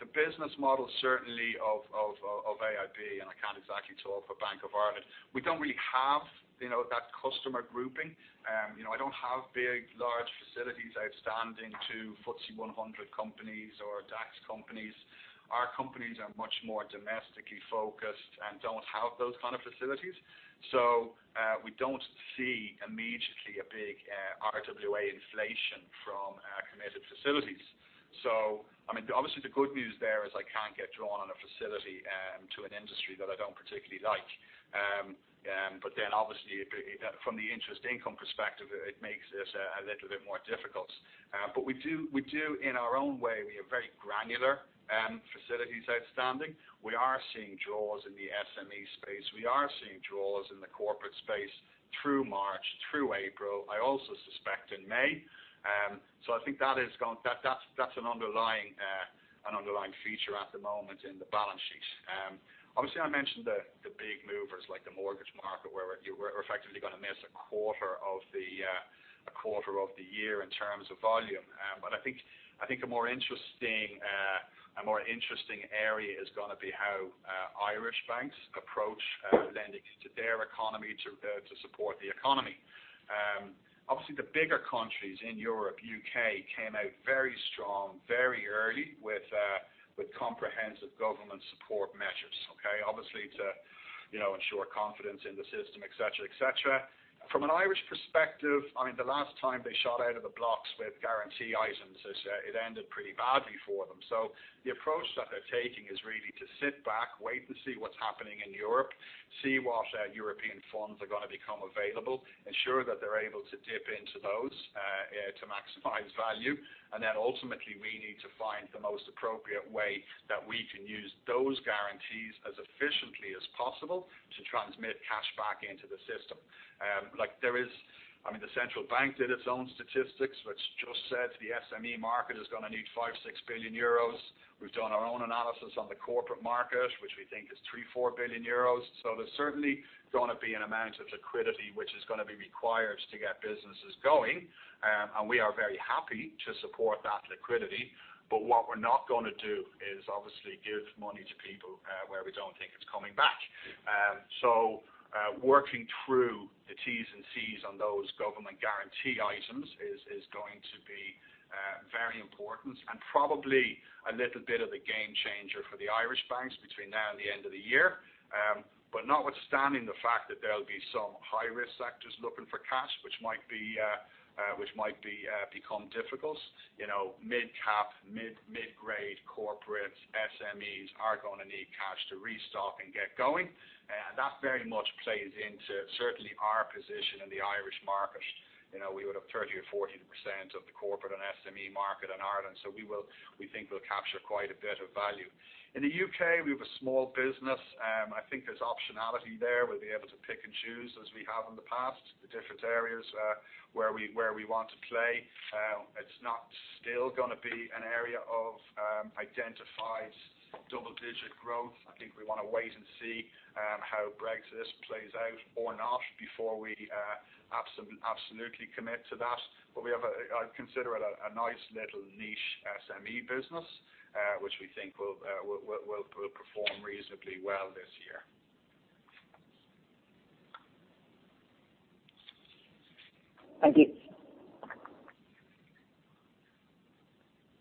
The business model certainly of AIB, and I can't exactly talk for Bank of Ireland, we don't really have that customer grouping. I don't have big large facilities outstanding to FTSE 100 companies or DAX companies. Our companies are much more domestically focused and don't have those kind of facilities. We don't see immediately a big RWA inflation from our committed facilities. Obviously the good news there is I can't get drawn on a facility to an industry that I don't particularly like. Obviously from the interest income perspective, it makes this a little bit more difficult. We do in our own way, we have very granular facilities outstanding. We are seeing draws in the SME space. We are seeing draws in the corporate space through March, through April. I also suspect in May. I think that's an underlying feature at the moment in the balance sheet. Obviously, I mentioned the big movers like the mortgage market, where we're effectively going to miss a quarter of the year in terms of volume. I think a more interesting area is going to be how Irish banks approach lending to their economy to support the economy. Obviously, the bigger countries in Europe, U.K., came out very strong, very early with comprehensive government support measures, okay, obviously to ensure confidence in the system, et cetera. From an Irish perspective, the last time they shot out of the blocks with guarantee items, it ended pretty badly for them. The approach that they're taking is really to sit back, wait and see what's happening in Europe, see what European funds are going to become available, ensure that they're able to dip into those to maximize value. Ultimately we need to find the most appropriate way that we can use those guarantees as efficiently as possible to transmit cash back into the system. The central bank did its own statistics, which just said the SME market is going to need 5 billion-6 billion euros. We've done our own analysis on the corporate market, which we think is 3 billion-4 billion euros. There's certainly going to be an amount of liquidity which is going to be required to get businesses going, and we are very happy to support that liquidity. What we're not going to do is obviously give money to people where we don't think it's coming back. Working through the T's and C's on those government guarantee items is going to be very important and probably a little bit of a game changer for the Irish banks between now and the end of the year. Notwithstanding the fact that there'll be some high-risk sectors looking for cash, which might become difficult. Mid cap, mid grade corporates, SMEs are going to need cash to restock and get going. That very much plays into certainly our position in the Irish market. We would have 30% or 40% of the corporate and SME market in Ireland. We think we'll capture quite a bit of value. In the U.K. we have a small business. I think there's optionality there. We'll be able to pick and choose as we have in the past, the different areas where we want to play. It's not still going to be an area of identified double digit growth. I think we want to wait and see how Brexit plays out or not before we absolutely commit to that. I'd consider it a nice little niche SME business which we think will perform reasonably well this year.
Thank you.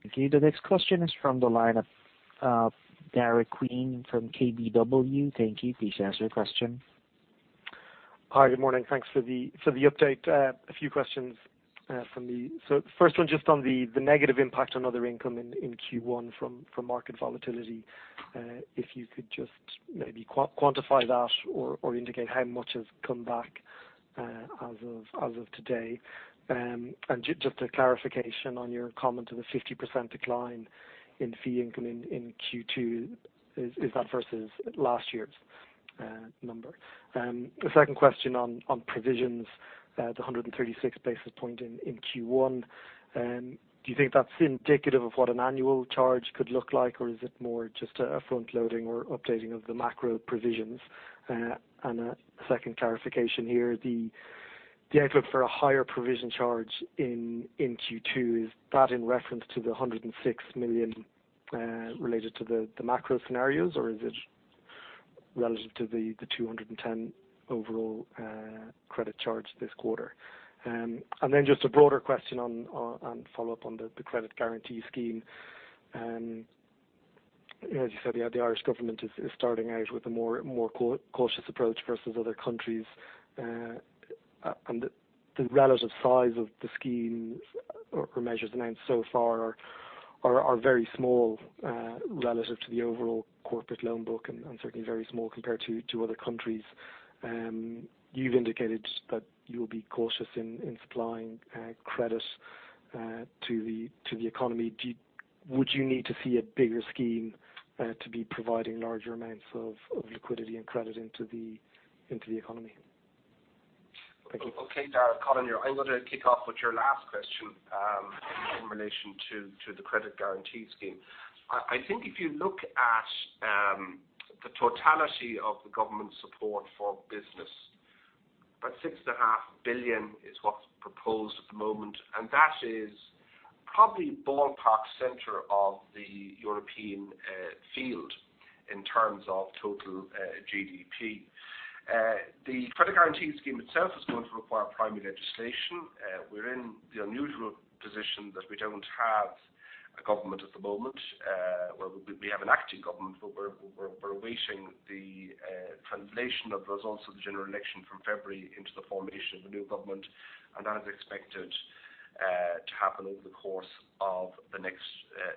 Okay. The next question is from the line of Daragh Quinn from KBW. Thank you. Please ask your question.
Hi. Good morning. Thanks for the update. A few questions from me. The first one, just on the negative impact on other income in Q1 from market volatility. If you could just maybe quantify that or indicate how much has come back as of today. Just a clarification on your comment of a 50% decline in fee income in Q2. Is that versus last year's number? The second question on provisions, the 136 basis point in Q1. Do you think that's indicative of what an annual charge could look like, or is it more just a front loading or updating of the macro provisions? A second clarification here, the outlook for a higher provision charge in Q2, is that in reference to the 106 million related to the macro scenarios, or is it relative to the 210 million overall credit charge this quarter? Just a broader question and follow up on the credit guarantee scheme. As you said, the Irish government is starting out with a more cautious approach versus other countries. The relative size of the scheme or measures announced so far are very small relative to the overall corporate loan book, and certainly very small compared to other countries. You've indicated that you'll be cautious in supplying credit to the economy. Would you need to see a bigger scheme to be providing larger amounts of liquidity and credit into the economy? Thank you.
Colin Hunt here. I'm going to kick off with your last question in relation to the credit guarantee scheme. I think if you look at the totality of the government support for business, about 6.5 billion is what's proposed at the moment, and that is probably ballpark center of the European field in terms of total GDP. The credit guarantee scheme itself is going to require primary legislation. We're in the unusual position that we don't have a government at the moment. Well, we have an acting government, but we're awaiting the translation of the results of the general election from February into the formation of a new government, and that is expected to happen over the course of the next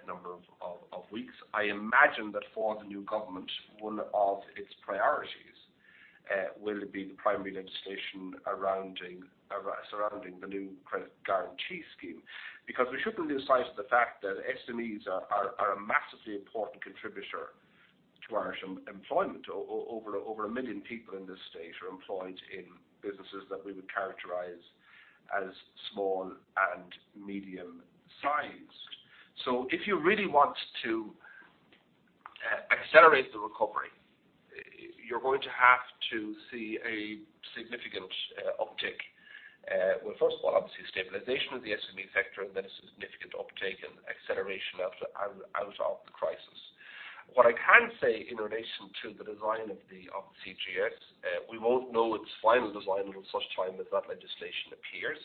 number of weeks. I imagine that for the new government, one of its priorities will be the primary legislation surrounding the new credit guarantee scheme, because we shouldn't lose sight of the fact that SMEs are a massively important contributor to Irish employment. Over a million people in this state are employed in businesses that we would characterize as small and medium-sized. If you really want to accelerate the recovery, you're going to have to see a significant uptick. Well, first of all, obviously, stabilization of the SME sector, and then a significant uptick and acceleration out of the crisis. What I can say in relation to the design of the CGS, we won't know its final design until such time that legislation appears.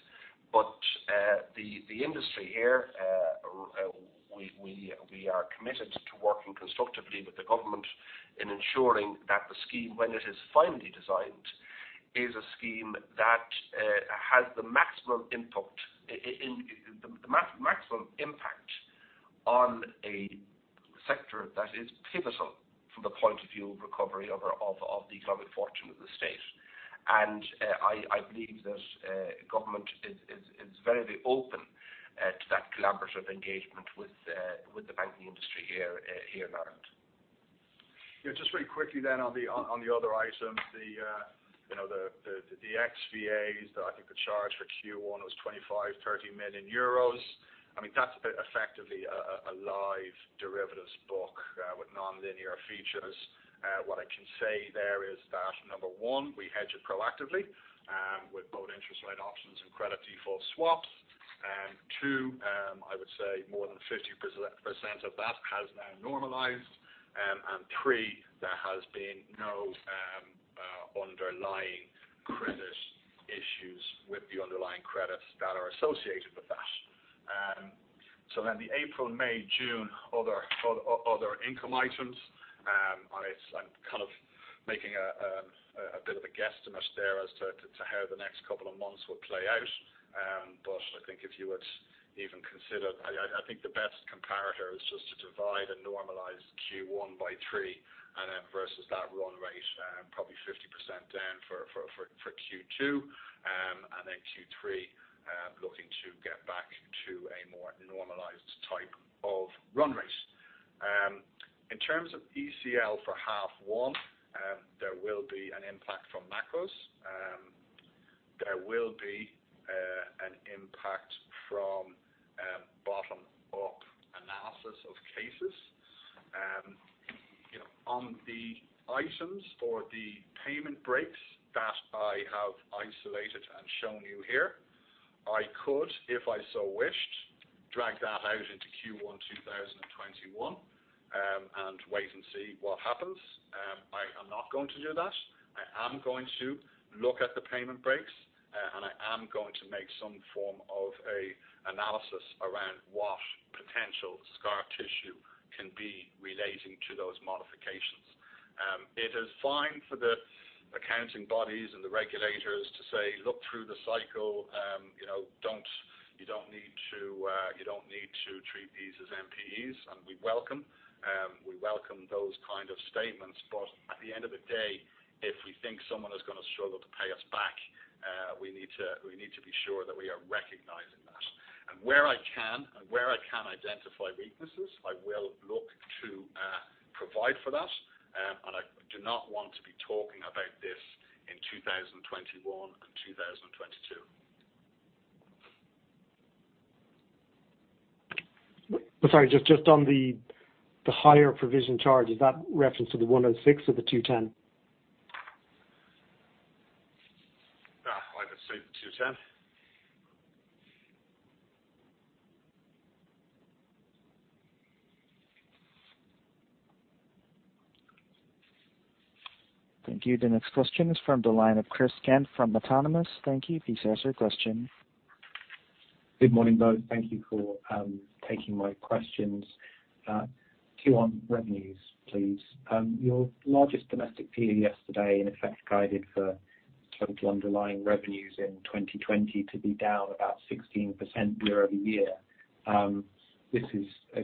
The industry here, we are committed to working constructively with the government in ensuring that the scheme, when it is finally designed, is a scheme that has the maximum impact on a sector that is pivotal from the point of view of recovery of the economic fortune of the state. I believe that government is very open to that collaborative engagement with the banking industry here in Ireland.
Yeah, just very quickly then on the other item, the XVAs, I think the charge for Q1 was 25 million-30 million euros. That's effectively a live derivatives book with non-linear features. What I can say there is that, number one, we hedge it proactively with both interest rate options and credit default swaps. Two, I would say more than 50% of that has now normalized. Three, there has been no underlying credit issues with the underlying credits that are associated with that. The April, May, June, other income items, I'm kind of making a bit of a guesstimate there as to how the next couple of months will play out. I think if you would even consider, I think the best comparator is just to divide a normalized Q1 by three and then versus that run rate, probably 50% down for Q2, and then Q3, looking to get back to a more normalized type of run rate. In terms of ECL for half one, there will be an impact from macros. There will be an impact from bottom-up analysis of cases. On the items or the payment breaks that I have isolated and shown you here, I could, if I so wished, drag that out into Q1 2021, and wait and see what happens. I am not going to do that. I am going to look at the payment breaks, and I am going to make some form of an analysis around what potential scar tissue can be relating to those modifications. It is fine for the accounting bodies and the regulators to say, "Look through the cycle. You don't need to treat these as NPEs." We welcome those kind of statements. At the end of the day, if we think someone is going to struggle to pay us back, we need to be sure that we are recognizing that. Where I can identify weaknesses, I will look to provide for that, and I do not want to be talking about this in 2021 and 2022.
Sorry, just on the higher provision charge, is that reference to the 106 million or the 210 million?
I'd say the 210 million.
Thank you. The next question is from the line of Chris Cant from Autonomous. Thank you. Please ask your question.
Good morning, both. Thank you for taking my questions. Two on revenues, please. Your largest domestic peer yesterday in effect guided for total underlying revenues in 2020 to be down about 16% year-over-year. This is a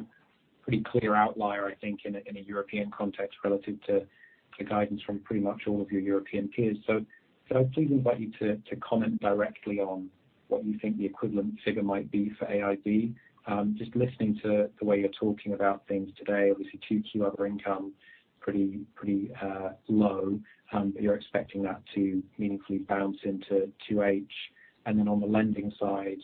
pretty clear outlier, I think, in a European context, relative to the guidance from pretty much all of your European peers. Could I please invite you to comment directly on what you think the equivalent figure might be for AIB? Just listening to the way you're talking about things today, obviously, Q2 other income, pretty low. You're expecting that to meaningfully bounce into 2H. On the lending side,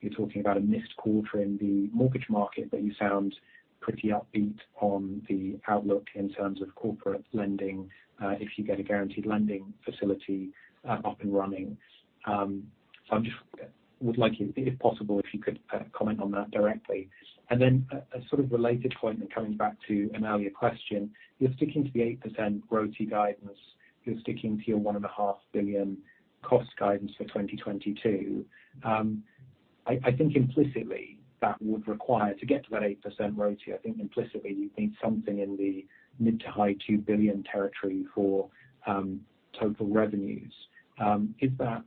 you're talking about a missed quarter in the mortgage market, but you sound pretty upbeat on the outlook in terms of corporate lending, if you get a guaranteed lending facility up and running. I just would like you, if possible, if you could comment on that directly. Then a sort of related point, and coming back to an earlier question, you're sticking to the 8% RoTE guidance. You're sticking to your 1.5 billion cost guidance for 2022. I think implicitly, that would require, to get to that 8% RoTE, I think implicitly, you'd need something in the mid to high 2 billion territory for total revenues. Is that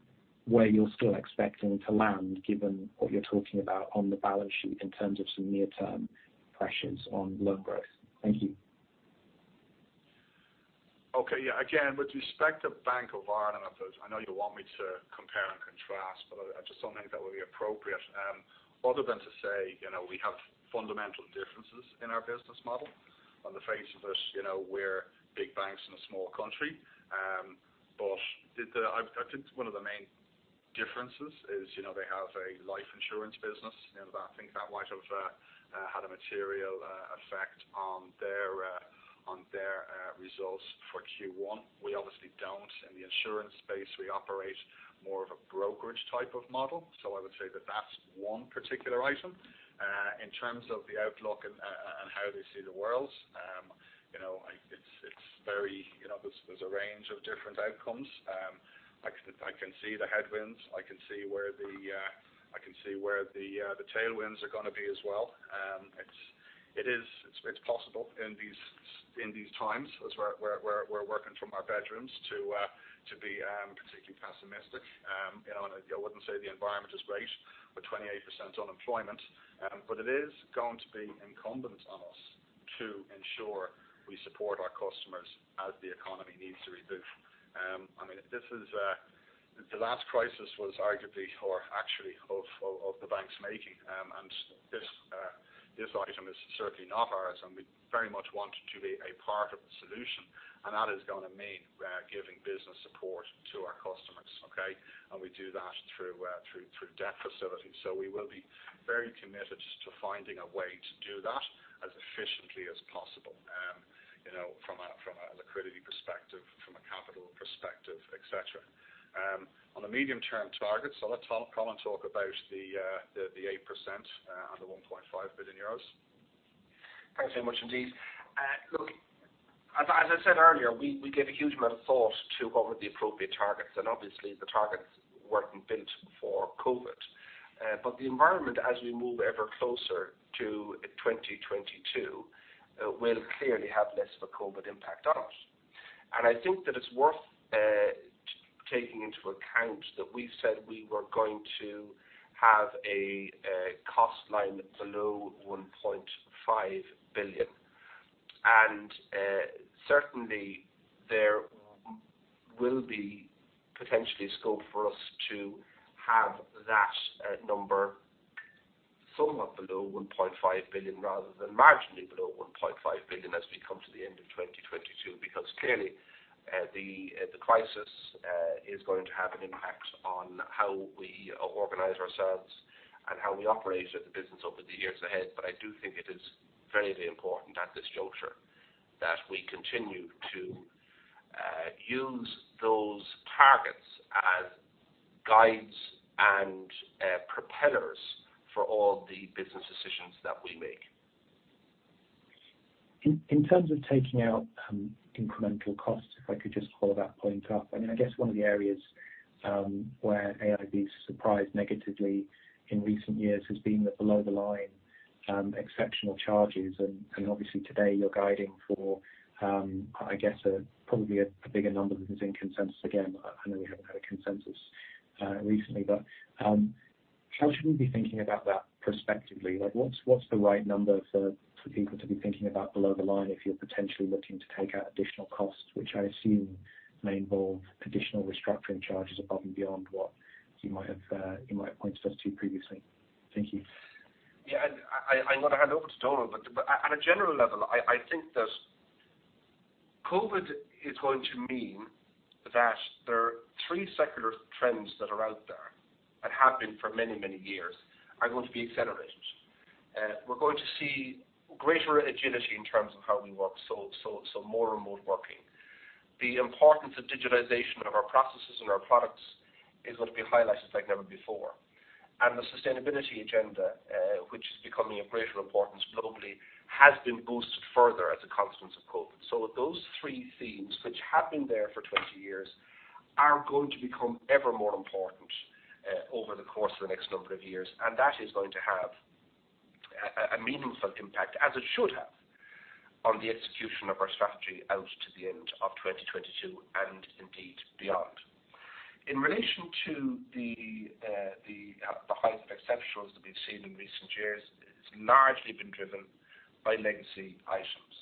where you're still expecting to land, given what you're talking about on the balance sheet in terms of some near-term pressures on loan growth? Thank you.
Okay. Yeah. Again, with respect to Bank of Ireland, I know you want me to compare and contrast, but I just don't think that would be appropriate, other than to say we have fundamental differences in our business model. On the face of it, we're big banks in a small country. I think one of the main differences is they have a life insurance business. I think that might have had a material effect on their results for Q1. We obviously don't. In the insurance space, we operate more of a brokerage type of model. I would say that that's one particular item. In terms of the outlook and how they see the world, there's a range of different outcomes. I can see the headwinds. I can see where the tailwinds are going to be as well. It's possible in these times, as we're working from our bedrooms, to be particularly pessimistic. I wouldn't say the environment is great, with 28% unemployment, but it is going to be incumbent on us to ensure we support our customers as the economy needs to reboot. The last crisis was arguably, or actually, of the bank's making. This item is certainly not ours, and we very much want to be a part of the solution. That is going to mean giving business support to our customers, okay? We do that through debt facilities. We will be very committed to finding a way to do that as efficiently as possible from a liquidity perspective, from a capital perspective, et cetera. On the medium-term targets, I'll let Colin talk about the 8% and the 1.5 billion euros.
Thanks very much indeed. Look, as I said earlier, we gave a huge amount of thought to what were the appropriate targets, and obviously, the targets weren't built for COVID. The environment, as we move ever closer to 2022, will clearly have less of a COVID impact on it. I think that it's worth taking into account that we've said we were going to have a cost line below 1.5 billion. Certainly, there will be potentially scope for us to have that number somewhat below 1.5 billion rather than marginally below 1.5 billion as we come to the end of 2022. Because clearly, the crisis is going to have an impact on how we organize ourselves and how we operate as a business over the years ahead. I do think it is very important at this juncture that we continue to use those targets as guides and propellers for all the business decisions that we make.
In terms of taking out incremental costs, if I could just follow that point up. I guess one of the areas where AIB's surprised negatively in recent years has been the below the line exceptional charges. Obviously, today, you're guiding for, I guess, probably a bigger number than is in consensus again. I know we haven't had a consensus recently. How should we be thinking about that prospectively? What's the right number for people to be thinking about below the line if you're potentially looking to take out additional costs, which I assume may involve additional restructuring charges above and beyond what you might have pointed us to previously? Thank you.
Yeah. I'm going to hand over to Donal, but at a general level, I think that COVID is going to mean that there are three secular trends that are out there and have been for many, many years, are going to be accelerated. We're going to see greater agility in terms of how we work, so more remote working. The importance of digitalization of our processes and our products is going to be highlighted like never before. The sustainability agenda, which is becoming of greater importance globally, has been boosted. Those three themes, which have been there for 20 years, are going to become ever more important over the course of the next number of years. That is going to have a meaningful impact, as it should have, on the execution of our strategy out to the end of 2022, and indeed beyond. In relation to the height of exceptionals that we've seen in recent years, it's largely been driven by legacy items.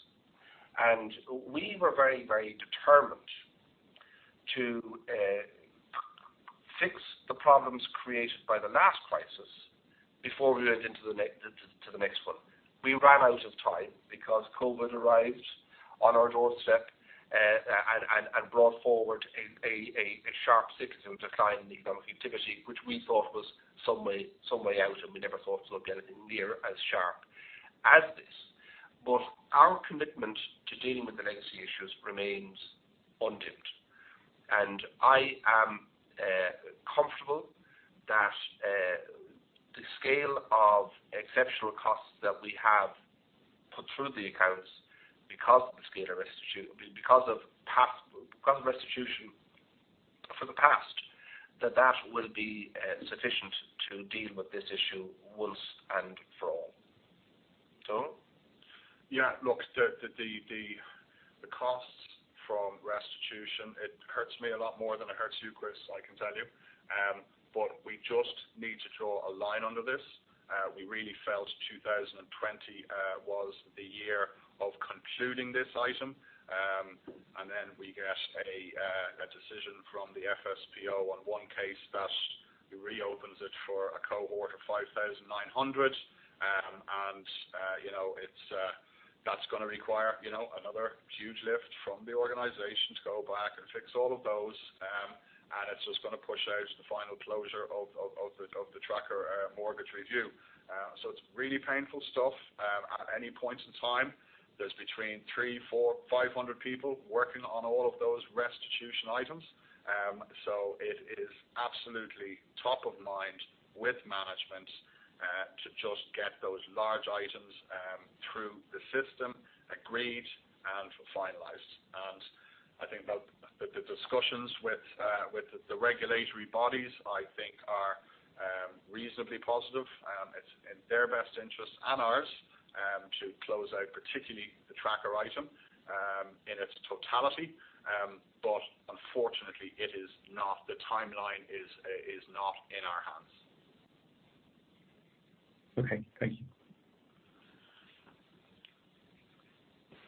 We were very determined to fix the problems created by the last crisis before we went into the next one. We ran out of time because COVID arrived on our doorstep, and brought forward a sharp cyclical decline in economic activity, which we thought was some way out, and we never thought we'd get anything near as sharp as this. Our commitment to dealing with the legacy issues remains undimmed. I am comfortable that the scale of exceptional costs that we have put through the accounts because of restitution for the past, that that will be sufficient to deal with this issue once and for all. Donal?
Yeah. Look, the costs from restitution, it hurts me a lot more than it hurts you, Chris, I can tell you. We just need to draw a line under this. We really felt 2020 was the year of concluding this item, and then we get a decision from the FSPO on one case that reopens it for a cohort of 5,900. That's going to require another huge lift from the organization to go back and fix all of those. It's just going to push out the final closure of the tracker mortgage review. It's really painful stuff. At any point in time, there's between 300, 400, 500 people working on all of those restitution items. It is absolutely top of mind with management to just get those large items through the system, agreed and finalized. I think that the discussions with the regulatory bodies, I think, are reasonably positive. It's in their best interest and ours to close out particularly the tracker item in its totality. Unfortunately, the timeline is not in our hands.
Okay. Thank you.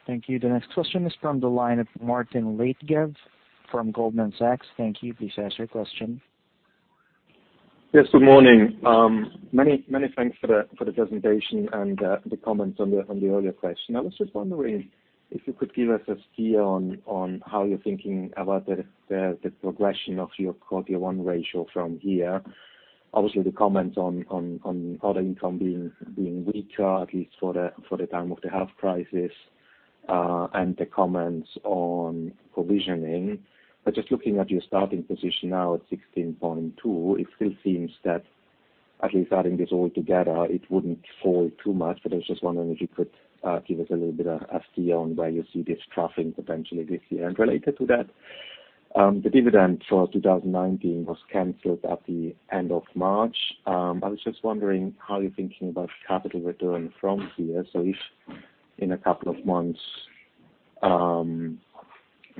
Thank you. The next question is from the line of Martin Leitgeb from Goldman Sachs. Thank you. Please ask your question.
Yes, good morning. Many thanks for the presentation and the comments on the earlier question. I was just wondering if you could give us a steer on how you're thinking about the progression of your quarter one ratio from here. The comments on other income being weaker, at least for the time of the health crisis, and the comments on provisioning. Just looking at your starting position now at 16.2%, it still seems that at least adding this all together, it wouldn't fall too much. I was just wondering if you could give us a little bit of a steer on where you see this trending potentially this year. Related to that, the dividend for 2019 was canceled at the end of March. I was just wondering how you're thinking about capital return from here. If in a couple of months,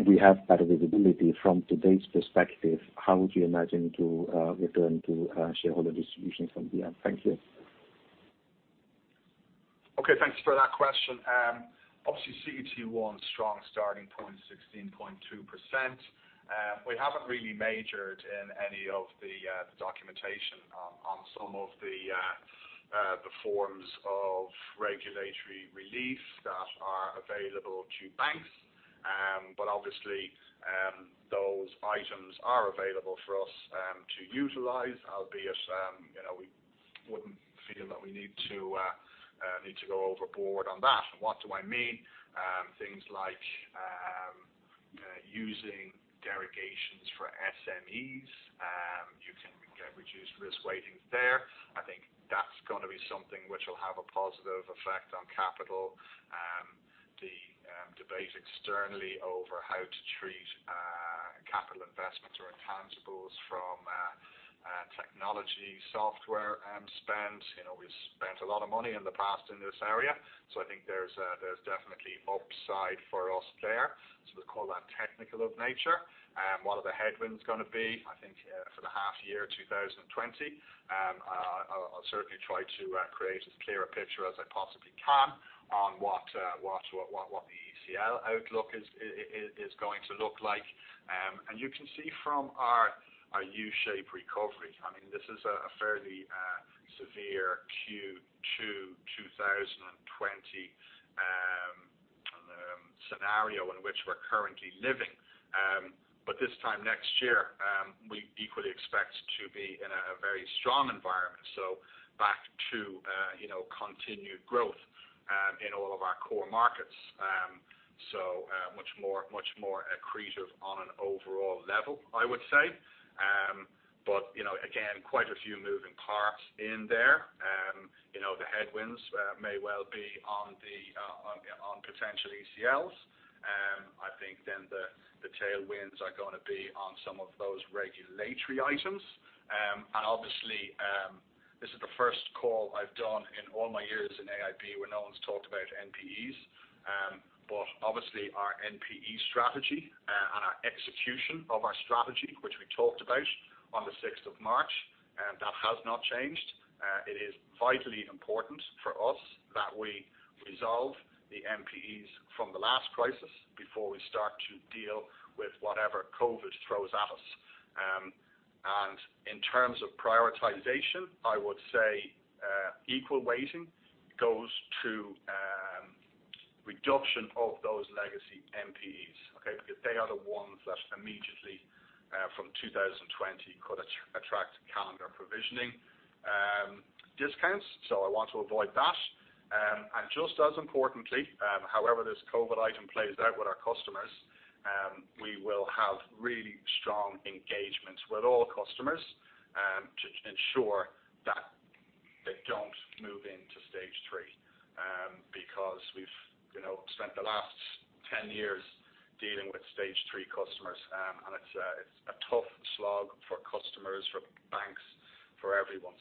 we have better visibility from today's perspective, how would you imagine to return to shareholder distribution from here? Thank you.
Okay. Thanks for that question. Obviously, CET1 strong starting point, 16.2%. We haven't really majored in any of the documentation on some of the forms of regulatory relief that are available to banks. Obviously, those items are available for us to utilize, albeit, we wouldn't feel that we need to go overboard on that. What do I mean? Things like using derogations for SMEs. You can get reduced risk weighting there. I think that's going to be something which will have a positive effect on capital. The debate externally over how to treat capital investments or intangibles from technology software spend. We've spent a lot of money in the past in this area, so I think there's definitely upside for us there. We call that technical of nature. One of the headwinds going to be, I think, for the half year 2020. I'll certainly try to create as clear a picture as I possibly can on what the ECL outlook is going to look like. You can see from our U-shaped recovery, this is a fairly severe Q2 2020 scenario in which we're currently living. This time next year, we equally expect to be in a very strong environment. Back to continued growth in all of our core markets. Much more accretive on an overall level, I would say. Again, quite a few moving parts in there. The headwinds may well be on potential ECLs. I think then the tailwinds are going to be on some of those regulatory items. Obviously, this is the first call I've done in all my years in AIB where no one's talked about NPEs. Obviously our NPE strategy and our execution of our strategy, which we talked about on the 6th of March, that has not changed. It is vitally important for us that we resolve the NPEs from the last crisis before we start to deal with whatever COVID throws at us. In terms of prioritization, I would say equal weighting goes to reduction of those legacy NPEs, okay. They are the ones that immediately from 2020 could attract calendar provisioning discounts. I want to avoid that. Just as importantly, however this COVID item plays out with our customers, we will have really strong engagements with all customers to ensure that they don't move into stage three, because we've spent the last 10 years dealing with stage three customers, and it's a tough slog for customers, for banks, for everyone.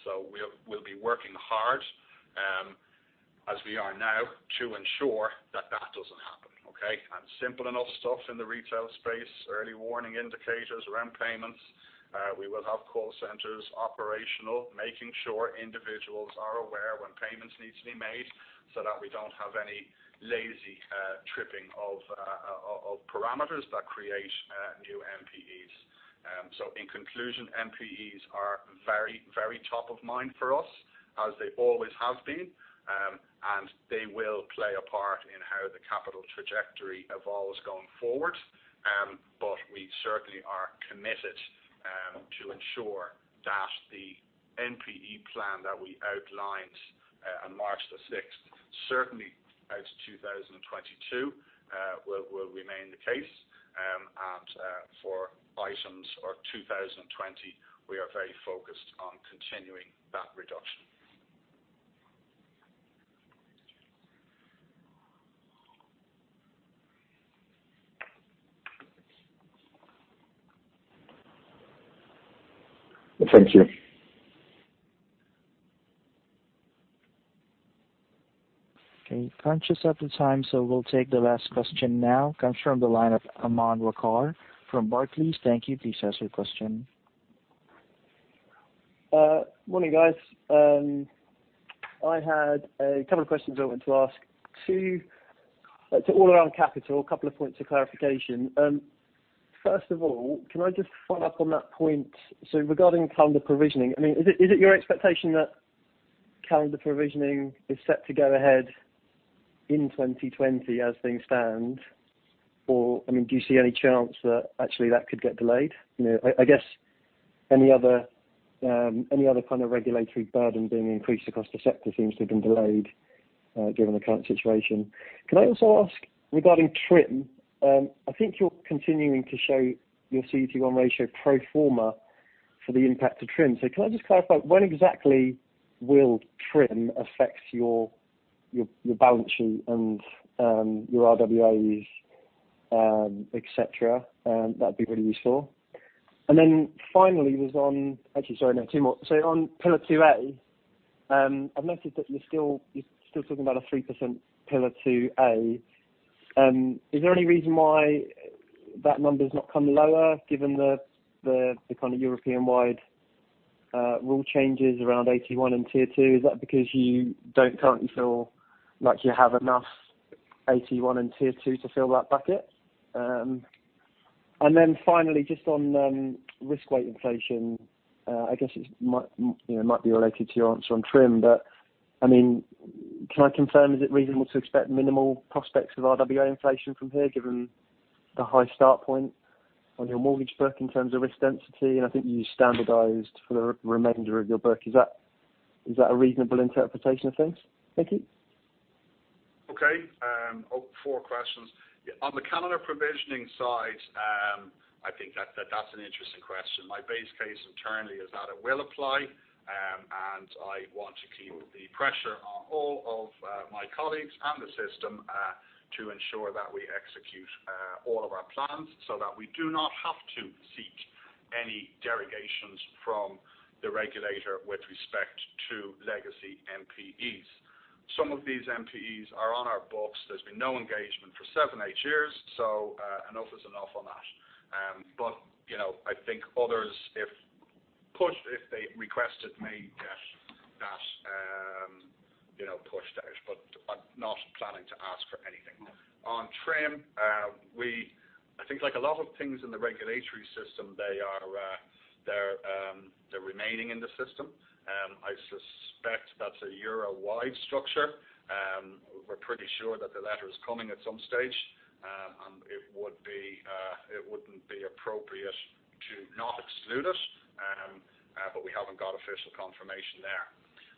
We'll be working hard, as we are now, to ensure that that doesn't happen, okay? Simple enough stuff in the retail space, early warning indicators around payments. We will have call centers operational, making sure individuals are aware when payments need to be made so that we don't have any lazy tripping of parameters that create new NPEs. In conclusion, NPEs are very top of mind for us, as they always have been. They will play a part in how the capital trajectory evolves going forward. We certainly are committed to ensure that the NPE plan that we outlined on March the 6th, certainly out to 2022 will remain the case. For items or 2020, we are very focused on continuing that reduction.
Thank you.
Okay. Conscious of the time, we'll take the last question now. Comes from the line of Aman Rakkar from Barclays. Thank you. Please ask your question.
Morning, guys. I had a couple of questions I wanted to ask. Two, it is all around capital, a couple of points of clarification. First of all, can I just follow up on that point? Regarding calendar provisioning, is it your expectation that calendar provisioning is set to go ahead in 2020 as things stand? Do you see any chance that actually that could get delayed? I guess any other kind of regulatory burden being increased across the sector seems to have been delayed given the current situation. Can I also ask regarding TRIM, I think you are continuing to show your CET1 ratio pro forma for the impact of TRIM. Can I just clarify when exactly will TRIM affect your balance sheet and your RWAs, et cetera? That would be really useful. Finally, actually, sorry, no, two more. On Pillar 2A, I've noticed that you're still talking about a 3% Pillar 2A. Is there any reason why that number has not come lower given the kind of European-wide rule changes around AT1 and Tier 2? Is that because you don't currently feel like you have enough AT1 and Tier 2 to fill that bucket? Finally, just on risk weight inflation, I guess it might be related to your answer on TRIM, but can I confirm, is it reasonable to expect minimal prospects of RWA inflation from here given the high start point on your mortgage book in terms of risk density? I think you standardized for the remainder of your book. Is that a reasonable interpretation of things? Thank you.
Okay. Four questions. On the calendar provisioning side, I think that's an interesting question. My base case internally is that it will apply, and I want to keep the pressure on all of my colleagues and the system to ensure that we execute all of our plans so that we do not have to seek any derogations from the regulator with respect to legacy NPEs. Some of these NPEs are on our books. There's been no engagement for seven years, eight years. Enough is enough on that. I think others, if pushed, if they requested me, get that pushed out, but I'm not planning to ask for anything. On TRIM, I think like a lot of things in the regulatory system, they're remaining in the system. I suspect that's a Euro-wide structure. We're pretty sure that the latter is coming at some stage. It wouldn't be appropriate to not exclude it. Official confirmation there.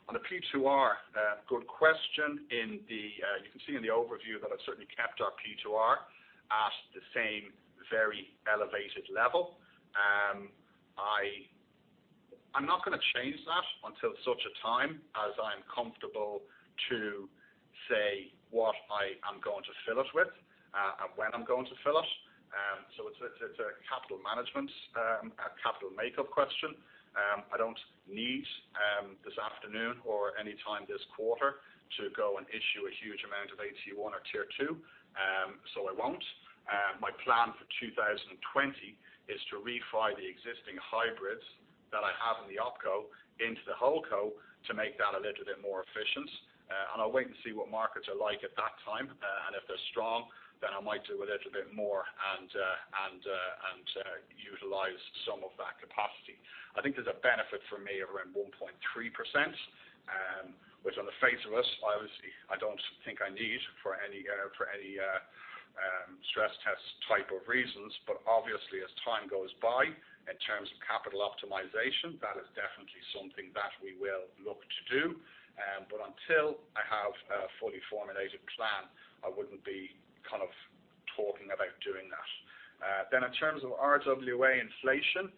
On the Pillar 2, good question. You can see in the overview that I've certainly kept our Pillar 2 at the same very elevated level. I'm not going to change that until such a time as I'm comfortable to say what I am going to fill it with, and when I'm going to fill it. It's a capital management, a capital makeup question. I don't need this afternoon or any time this quarter to go and issue a huge amount of AT1 or Tier 2, so I won't. My plan for 2020 is to refi the existing hybrids that I have in the OpCo into the HoldCo to make that a little bit more efficient. I'll wait and see what markets are like at that time, and if they're strong, then I might do a little bit more and utilize some of that capacity. I think there's a benefit for me around 1.3%, which on the face of it, obviously, I don't think I need for any stress test type of reasons. Obviously as time goes by in terms of capital optimization, that is definitely something that we will look to do. Until I have a fully formulated plan, I wouldn't be talking about doing that. In terms of RWA inflation,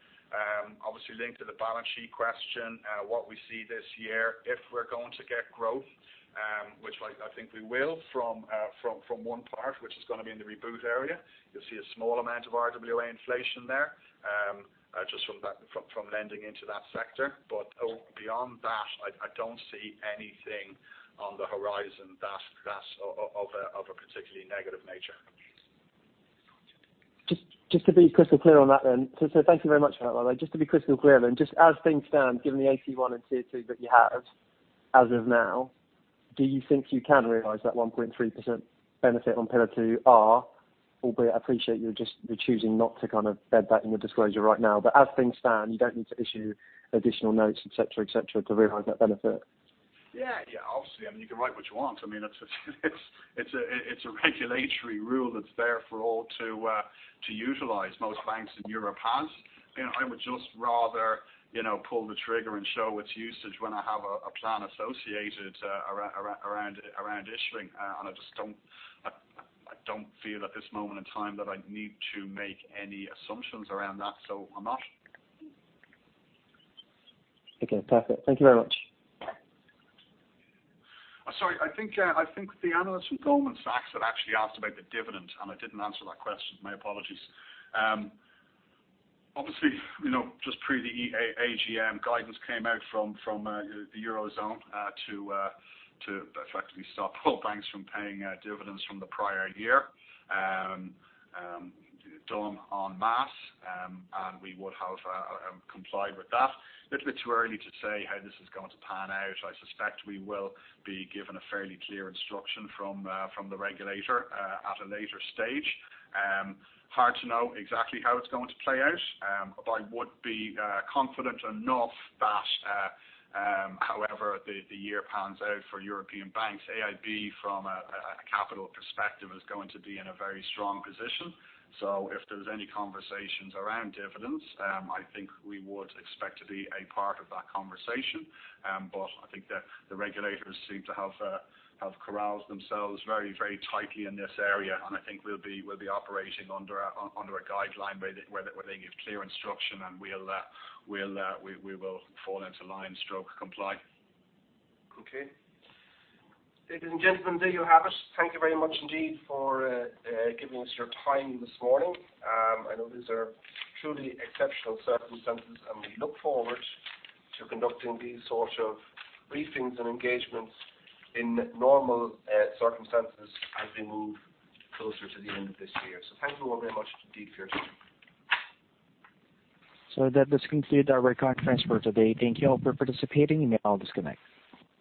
obviously linked to the balance sheet question, what we see this year, if we're going to get growth, which I think we will from one part, which is going to be in the reboot area. You'll see a small amount of RWA inflation there, just from lending into that sector. Beyond that, I don't see anything on the horizon that's of a particularly negative nature.
Just to be crystal clear on that then. Thank you very much for that, by the way. Just to be crystal clear then, just as things stand, given the AT1 and Tier 2 that you have as of now, do you think you can realize that 1.3% benefit on Pillar 2R, albeit I appreciate you're choosing not to kind of bed that in your disclosure right now. As things stand you don't need to issue additional notes, et cetera, to realize that benefit?
Yeah. Obviously, you can write what you want. It's a regulatory rule that's there for all to utilize. Most banks in Europe have. I would just rather pull the trigger and show its usage when I have a plan associated around issuing. I just don't feel at this moment in time that I need to make any assumptions around that, so I'm not.
Okay, perfect. Thank you very much.
Sorry, I think the analyst from Goldman Sachs had actually asked about the dividend, and I didn't answer that question. My apologies. Obviously, just pre the AGM, guidance came out from the Eurozone, to effectively stop all banks from paying dividends from the prior year, done en masse, and we would have complied with that. Little bit too early to say how this is going to pan out. I suspect we will be given a fairly clear instruction from the regulator at a later stage. Hard to know exactly how it's going to play out. I would be confident enough that however the year pans out for European banks, AIB from a capital perspective is going to be in a very strong position. If there's any conversations around dividends, I think we would expect to be a part of that conversation. I think the regulators seem to have corralled themselves very tightly in this area, and I think we'll be operating under a guideline where they give clear instruction, and we will fall into line and still comply.
Okay. Ladies and gentlemen, there you have it. Thank you very much indeed for giving us your time this morning. I know these are truly exceptional circumstances, and we look forward to conducting these sorts of briefings and engagements in normal circumstances as we move closer to the end of this year. Thank you all very much indeed for your time.
That does conclude our recorded conference for today. Thank you all for participating. You may all disconnect.